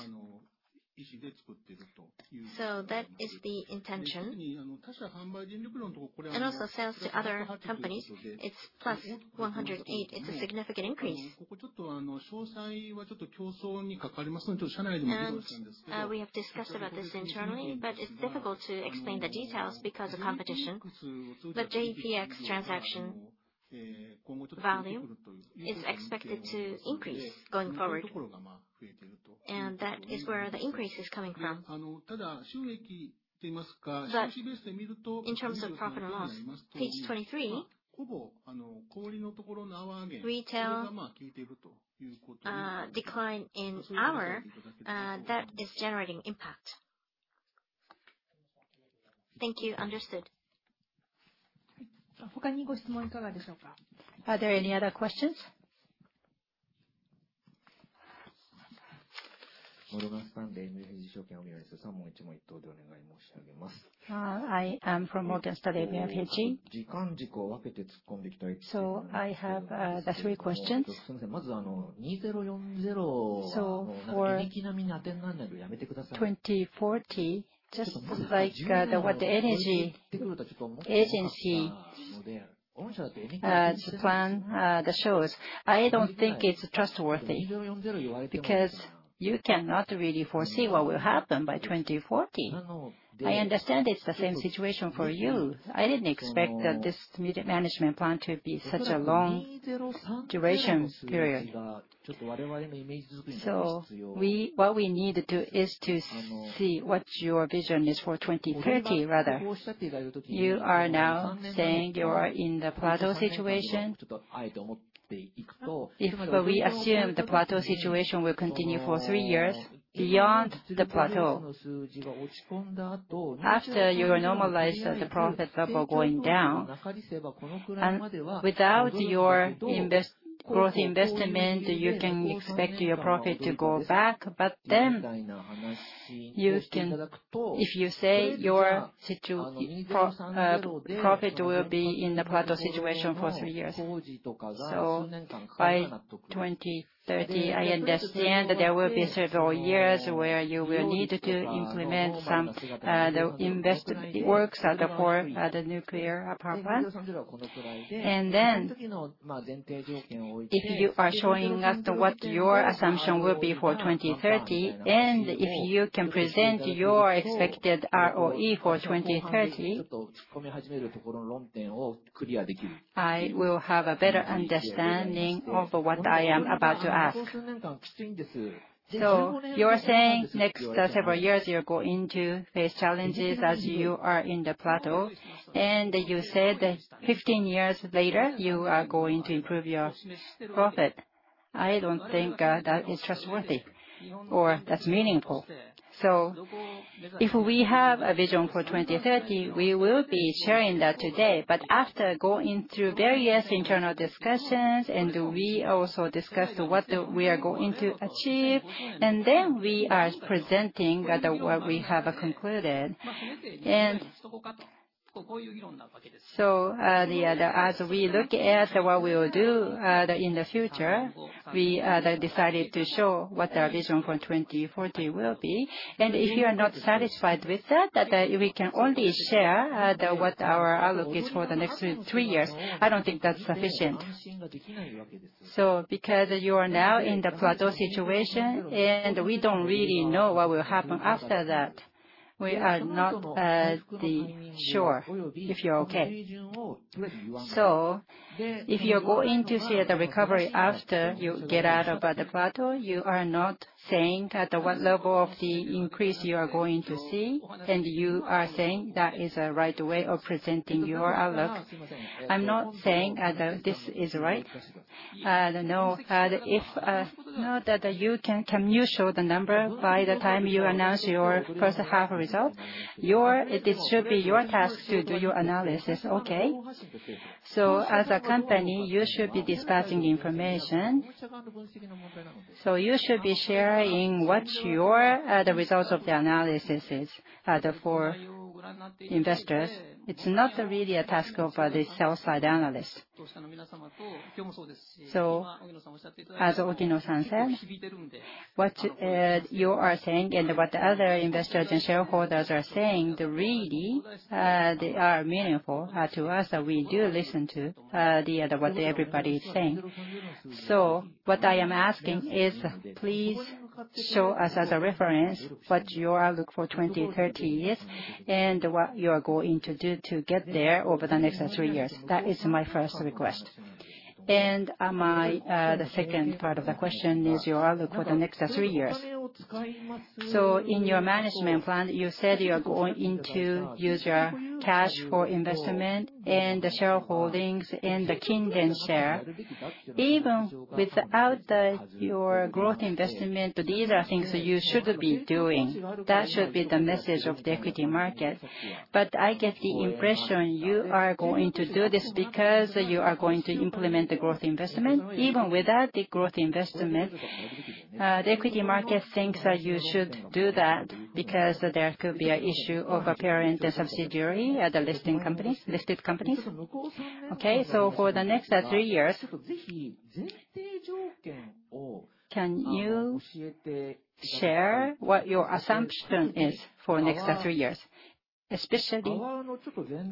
That is the intention. Also sales to other companies, it is plus 108. It is a significant increase. We have discussed about this internally, but it is difficult to explain the details because of competition. JEPX transaction value is expected to increase going forward, and that is where the increase is coming from. In terms of profit and loss, page 23, retail decline in hour, that is generating impact. Thank you. Understood. Are there any other questions? I am from Morgan Stanley, SMBC Nikko Securities Inc. I have three questions. For 2040, just like what the energy agency plan shows, I do not think it is trustworthy because you cannot really foresee what will happen by 2040. I understand it is the same situation for you. I did not expect this Management Plan to be such a long duration period. What we need is to see what your vision is for 2030, rather. You are now saying you are in the plateau situation. If we assume the plateau situation will continue for three years beyond the plateau, after you are normalized, the profit level going down, and without your growth investment, you can expect your profit to go back. If you say your profit will be in the plateau situation for three years. By 2030, I understand there will be several years where you will need to implement some invest works at the nuclear power plant. If you are showing us what your assumption will be for 2030, and if you can present your expected ROE for 2030, I will have a better understanding of what I am about to ask. You are saying next several years, you're going to face challenges as you are in the plateau, and you said 15 years later you are going to improve your profit. I don't think that is trustworthy or that's meaningful. If we have a vision for 2030, we will be sharing that today, but after going through various internal discussions, and we also discussed what we are going to achieve, and then we are presenting what we have concluded. As we look at what we will do in the future, we decided to show what our vision for 2040 will be. If you are not satisfied with that, we can only share what our outlook is for the next three years. I don't think that's sufficient. Because you are now in the plateau situation, and we don't really know what will happen after that. We are not sure if you're okay. If you're going to see the recovery after you get out of the plateau, you are not saying at what level of the increase you are going to see, and you are saying that is the right way of presenting your outlook. I'm not saying this is right. Can you show the number by the time you announce your first half result? It should be your task to do your analysis, okay? As a company, you should be discussing information. You should be sharing what your results of the analysis is for investors. It's not really a task of the sell side analysts. As Ogino-san said, what you are saying and what other investors and shareholders are saying, really, they are meaningful to us. We do listen to what everybody is saying. What I am asking is, please show us as a reference what your outlook for 2030 is, and what you are going to do to get there over the next three years. That is my first request. The second part of the question is your outlook for the next three years. In your management plan, you said you are going to use your cash for investment and the shareholdings and the Kinden share. Even without your growth investment, these are things that you should be doing. That should be the message of the equity market. I get the impression you are going to do this because you are going to implement the growth investment. Even without the growth investment, the equity market thinks that you should do that because there could be an issue of a parent and subsidiary at the listed companies. For the next three years, can you share what your assumption is for the next three years? Especially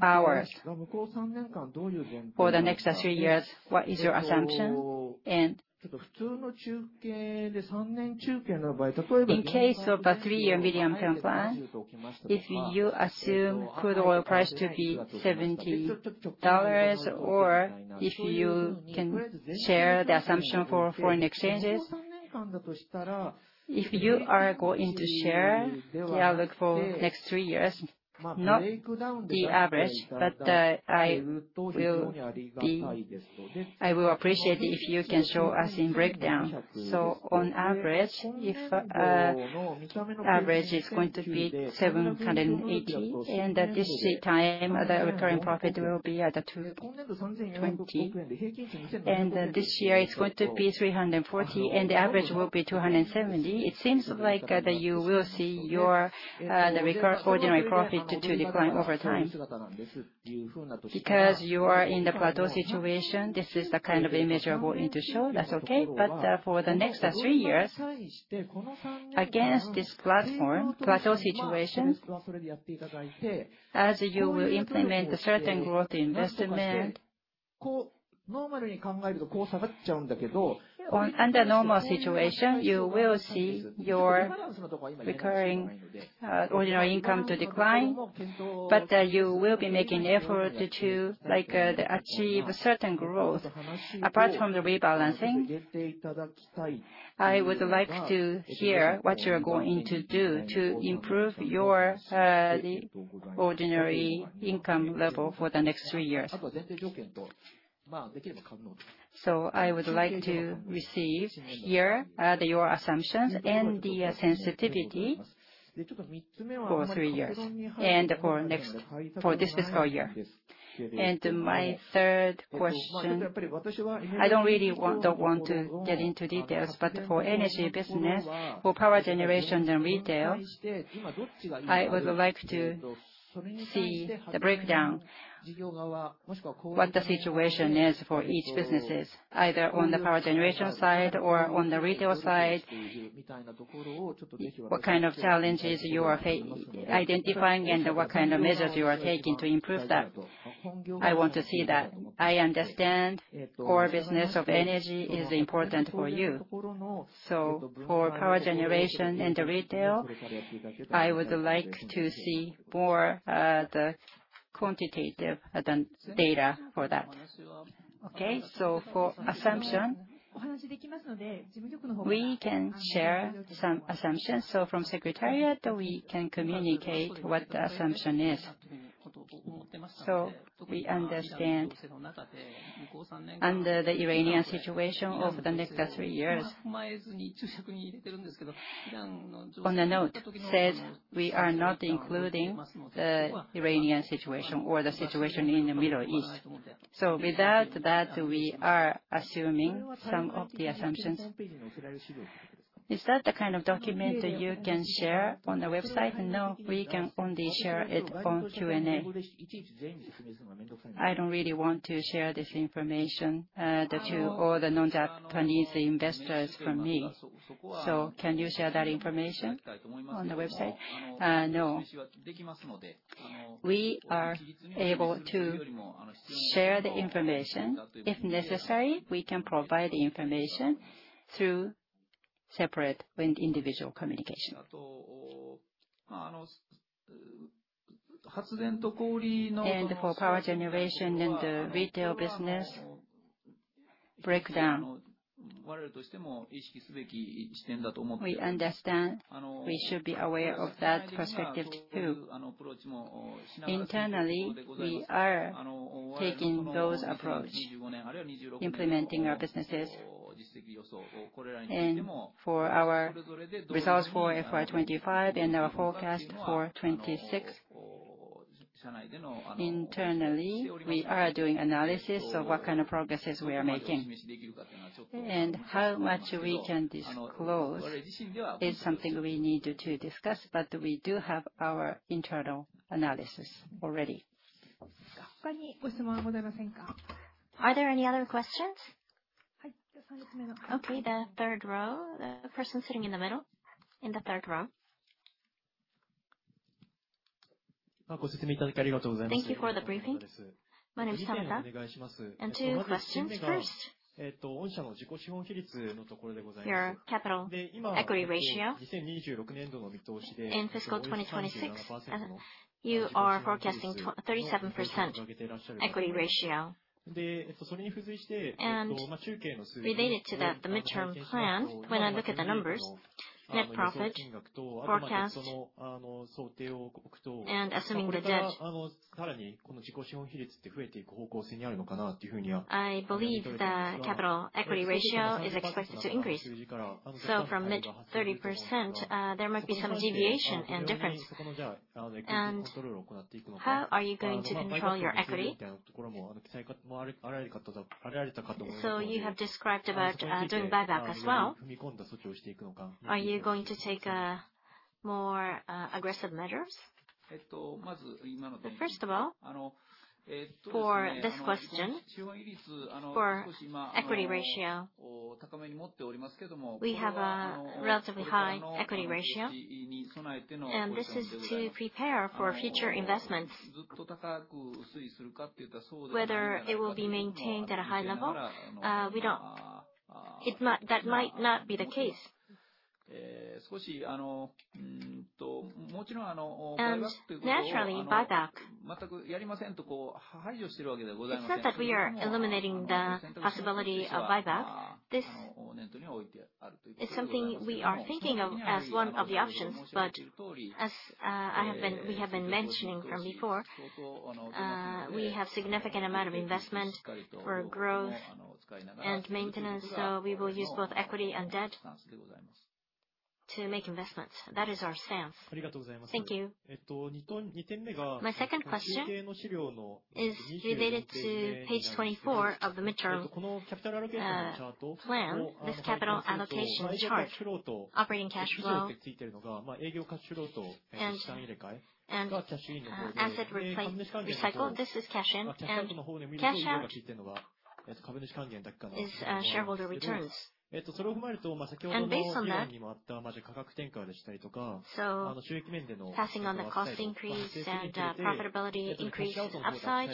ours. For the next three years What is your assumption? In case of a three-year medium-term plan, if you assume crude oil price to be $70, or if you can share the assumption for foreign exchanges. If you are going to share your outlook for next three years, not the average, but I will appreciate if you can show us in breakdown. On average, if average is going to be 780 and at this time, the recurring profit will be at 220. This year it's going to be 340, and the average will be 270. It seems like that you will see your ordinary profit to decline over time. Because you are in the plateau situation, this is the kind of image we're going to show. That's okay. For the next three years, against this platform, plateau situation, as you implement certain growth investment, under normal situation, you will see your recurring ordinary income to decline. You will be making effort to achieve certain growth. Apart from the rebalancing, I would like to hear what you're going to do to improve your ordinary income level for the next three years. I would like to receive here your assumptions and the sensitivity for three years and for this fiscal year. My third question, I don't really want to get into details, but for energy business, for power generation and retail, I would like to see the breakdown what the situation is for each businesses, either on the power generation side or on the retail side. What kind of challenges you are identifying, and what kind of measures you are taking to improve that. I want to see that. I understand core business of energy is important for you. For power generation and retail, I would like to see more the quantitative data for that. Okay, for assumption, we can share some assumptions. From secretariat, we can communicate what the assumption is. We understand under the Iranian situation over the next three years. On the note says we are not including the Iranian situation or the situation in the Middle East. Without that, we are assuming some of the assumptions. Is that the kind of document that you can share on the website? No, we can only share it on Q&A. I don't really want to share this information to all the non-Japanese investors from me. Can you share that information on the website? No. We are able to share the information. If necessary, we can provide the information through separate individual communication. For power generation and the retail business breakdown. We understand we should be aware of that perspective, too. Internally, we are taking those approach, implementing our businesses. For our results for FY 2025 and our forecast for 2026, internally, we are doing analysis of what kind of progresses we are making. How much we can disclose is something we need to discuss. We do have our internal analysis already. Are there any other questions? Okay, the third row, the person sitting in the middle in the third row. Thank you for the briefing. My name is Samantha. Two questions. First, your capital equity ratio. In FY 2026, you are forecasting 37% equity ratio. Related to that, the midterm plan, when I look at the numbers, net profit, forecast, and assuming the debt, I believe the capital equity ratio is expected to increase. From mid-30%, there might be some deviation and difference. How are you going to control your equity? You have described about doing buyback as well. Are you going to take a more aggressive measures? First of all, for this question, for equity ratio, we have a relatively high equity ratio, and this is to prepare for future investments. Whether it will be maintained at a high level? We don't. That might not be the case. Naturally, buyback, it's not that we are eliminating the possibility of buyback. This is something we are thinking of as one of the options. As we have been mentioning from before, we have a significant amount of investment for growth and maintenance. We will use both equity and debt to make investments. That is our stance. Thank you. My second question is related to page 24 of the midterm plan. This capital allocation chart, operating cash flow, as it recycled, this is cash in, cash out is shareholder returns. Based on that, passing on the cost increase and profitability increase upside.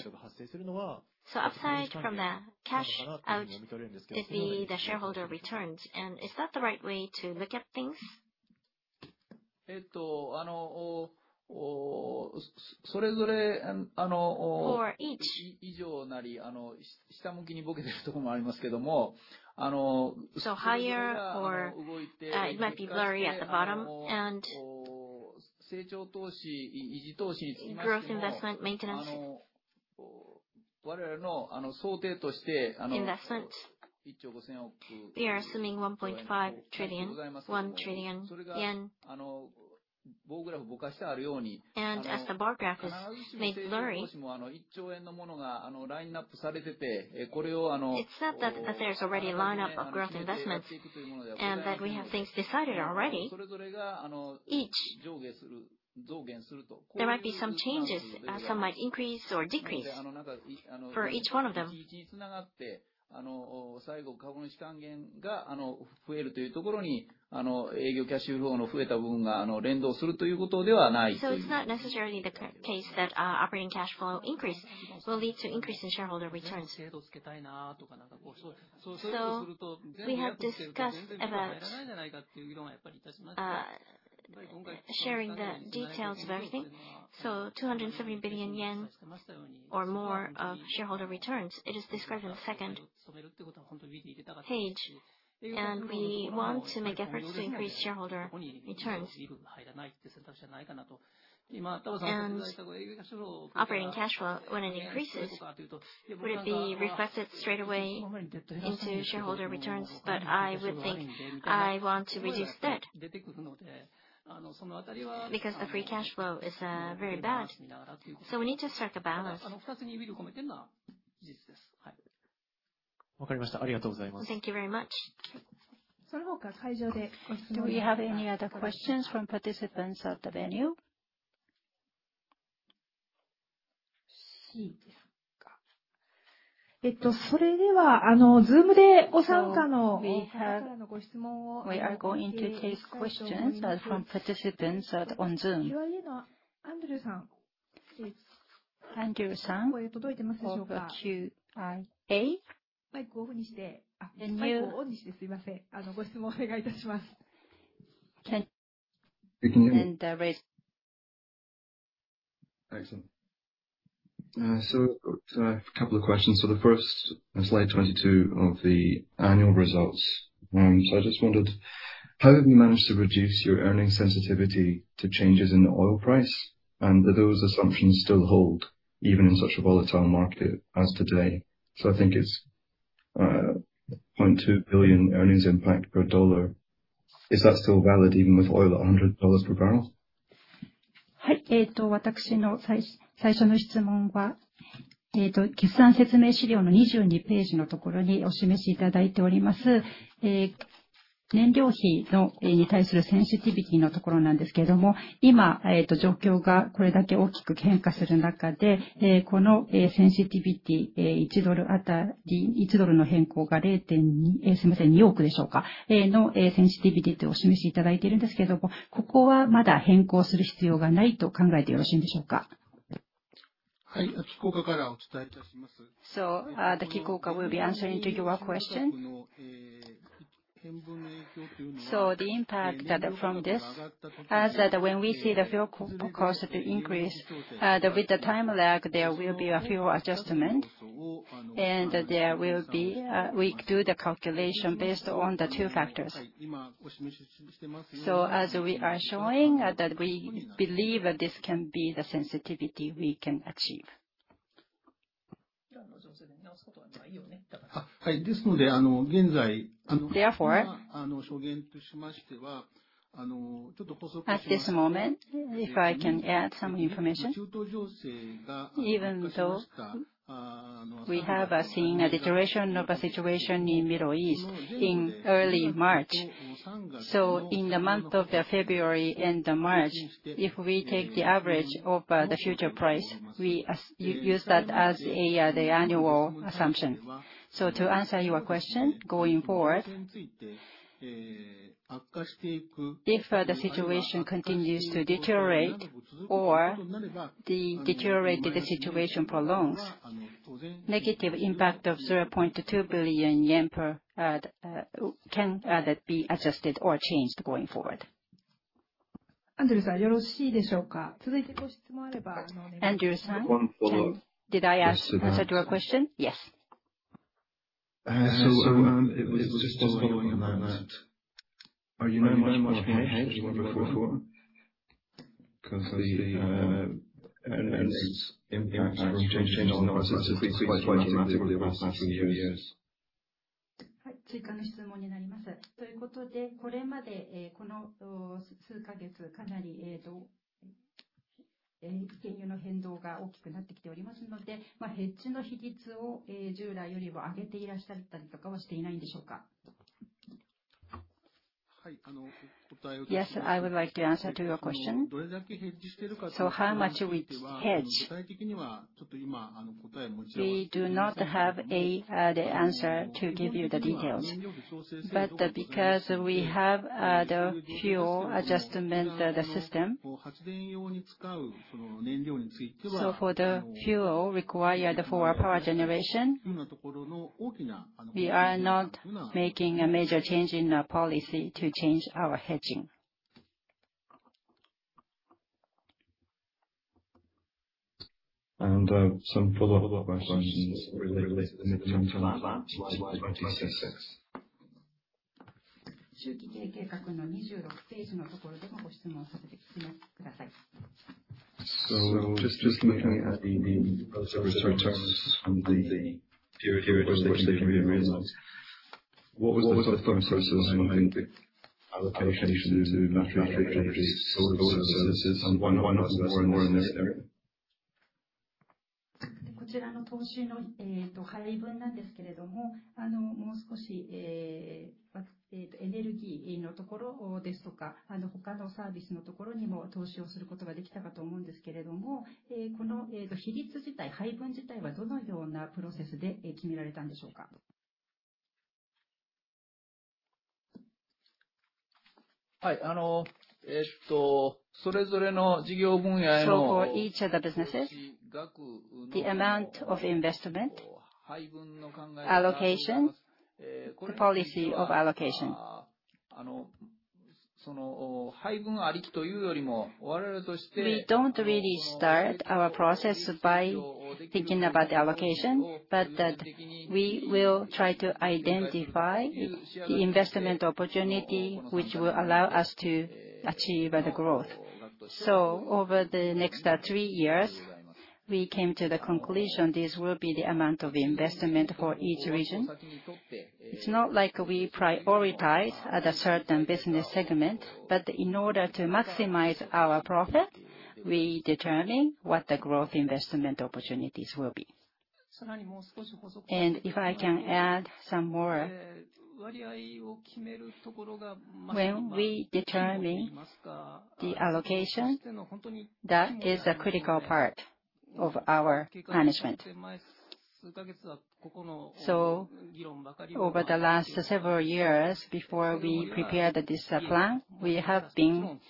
Upside from the cash out to the shareholder returns. Is that the right way to look at things? For each. Higher or it might be blurry at the bottom, growth investment maintenance investment, we are assuming 1.5 trillion, 1 trillion yen. As the bar graph is made blurry, it's not that there's already a lineup of growth investments and that we have things decided already. Each, there might be some changes. Some might increase or decrease for each one of them. It's not necessarily the case that operating cash flow increase will lead to increase in shareholder returns. We have discussed about sharing the details of everything. 270 billion yen or more of shareholder returns, it is described in the second page, and we want to make efforts to increase shareholder returns. Operating cash flow, when it increases, would it be reflected straight away into shareholder returns? I would think I want to reduce debt, because the free cash flow is very bad. We need to strike a balance. Thank you very much. Do we have any other questions from participants at the venue? We are going to take questions from participants on Zoom. Andrew San of QIA. read. Excellent. A couple of questions. The first, slide 22 of the annual results. I just wondered, how have you managed to reduce your earning sensitivity to changes in the oil price? Do those assumptions still hold even in such a volatile market as today? I think it's 0.2 billion earnings impact per dollar. Is that still valid even with oil at $100 per barrel? The Kiko Ka will be answering to your question. The impact from this, when we see the fuel cost increase, with the time lag, there will be a fuel adjustment, and we do the calculation based on the two factors. As we are showing that we believe that this can be the sensitivity we can achieve. Therefore, at this moment, if I can add some information, even though we have seen a deterioration of the situation in Middle East in early March, in the month of February and March, if we take the average of the future price, we use that as the annual assumption. To answer your question, going forward, if the situation continues to deteriorate or the deteriorated situation prolongs, negative impact of 0.2 billion yen per can be adjusted or changed going forward. Andrew-san, did I answer your question? Yes. It was just following on that. Are you now much more hedged than before? Because the impact from change in oil prices is quite significant over the past few years. Yes, I would like to answer your question. How much we hedge. We do not have the answer to give you the details, but because we have the fuel adjustment system, for the fuel required for our power generation, we are not making a major change in our policy to change our hedging. Some follow-up questions related to page 26. Just looking at the returns from the period over the next 10 years. What was the thought process behind the allocation into battery storage services and why not more in this area? For each of the businesses, the amount of investment, allocation, the policy of allocation. We don't really start our process by thinking about the allocation, but we will try to identify the investment opportunity which will allow us to achieve the growth. Over the next three years, we came to the conclusion this will be the amount of investment for each region. It's not like we prioritize at a certain business segment, but in order to maximize our profit, we determine what the growth investment opportunities will be. If I can add some more. When we determine the allocation, that is a critical part of our management. Over the last several years before we prepared this plan, we have been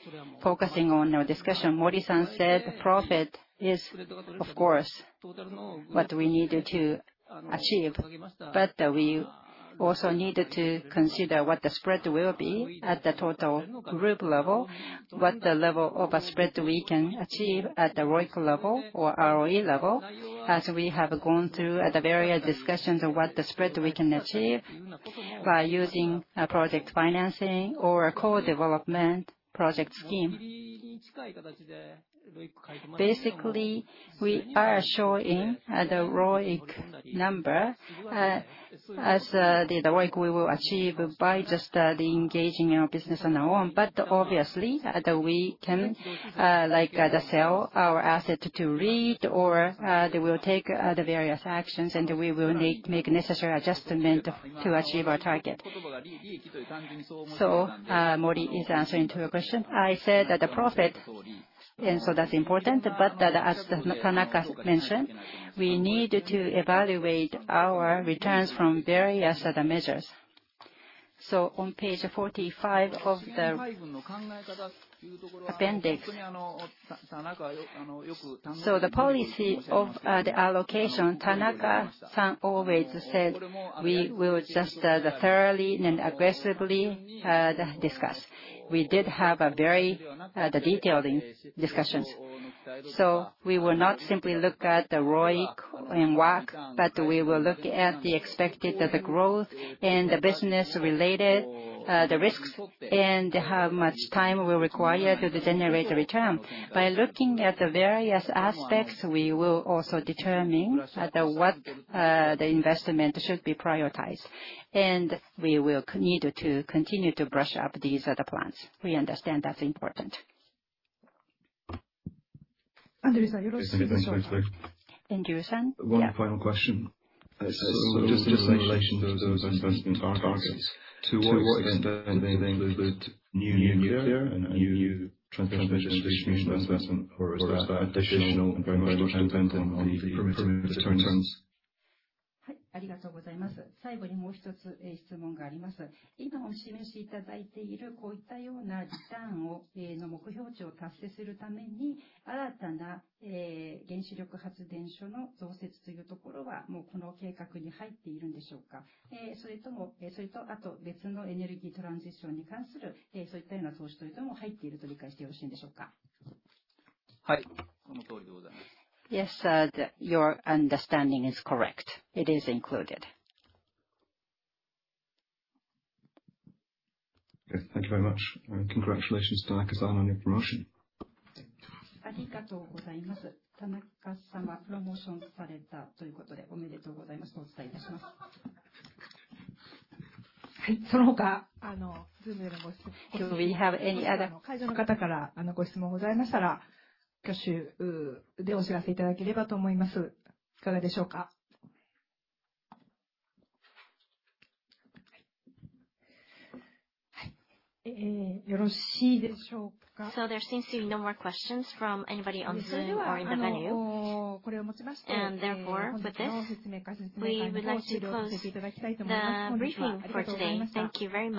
focusing on our discussion. Mori-san said profit is of course what we need to achieve, we also need to consider what the spread will be at the total group level, what the level of spread we can achieve at the ROIC level or ROE level. We have gone through the various discussions on what spread we can achieve by using a project financing or a co-development project scheme. Basically, we are showing the ROIC number as the ROIC we will achieve by just engaging in our business on our own. Obviously, we can sell our asset to REIT, or they will take various actions, and we will make necessary adjustment to achieve our target. Mori is answering to your question. I said that profit is important, but as Tanaka mentioned, we need to evaluate our returns from various other measures. On page 45 of the appendix. The policy of the allocation, Tanaka-san always said we will just thoroughly and aggressively discuss. We did have very detailed discussions. We will not simply look at the ROIC and WACC, but we will look at the expected growth and the business-related risks and how much time we require to generate the return. By looking at the various aspects, we will also determine what investment should be prioritized, and we will need to continue to brush up these other plans. We understand that's important. Thanks. Andrew-san? One final question. Just in relation to those investment targets, to what extent do they include new nuclear and new transmission investment, or is that additional and very much dependent on the returns? Yes, your understanding is correct. It is included. Okay. Thank you very much. Congratulations, Tanaka-san, on your promotion. There seems to be no more questions from anybody on Zoom or in the venue. Therefore, with this, we would like to close the briefing for today. Thank you very much.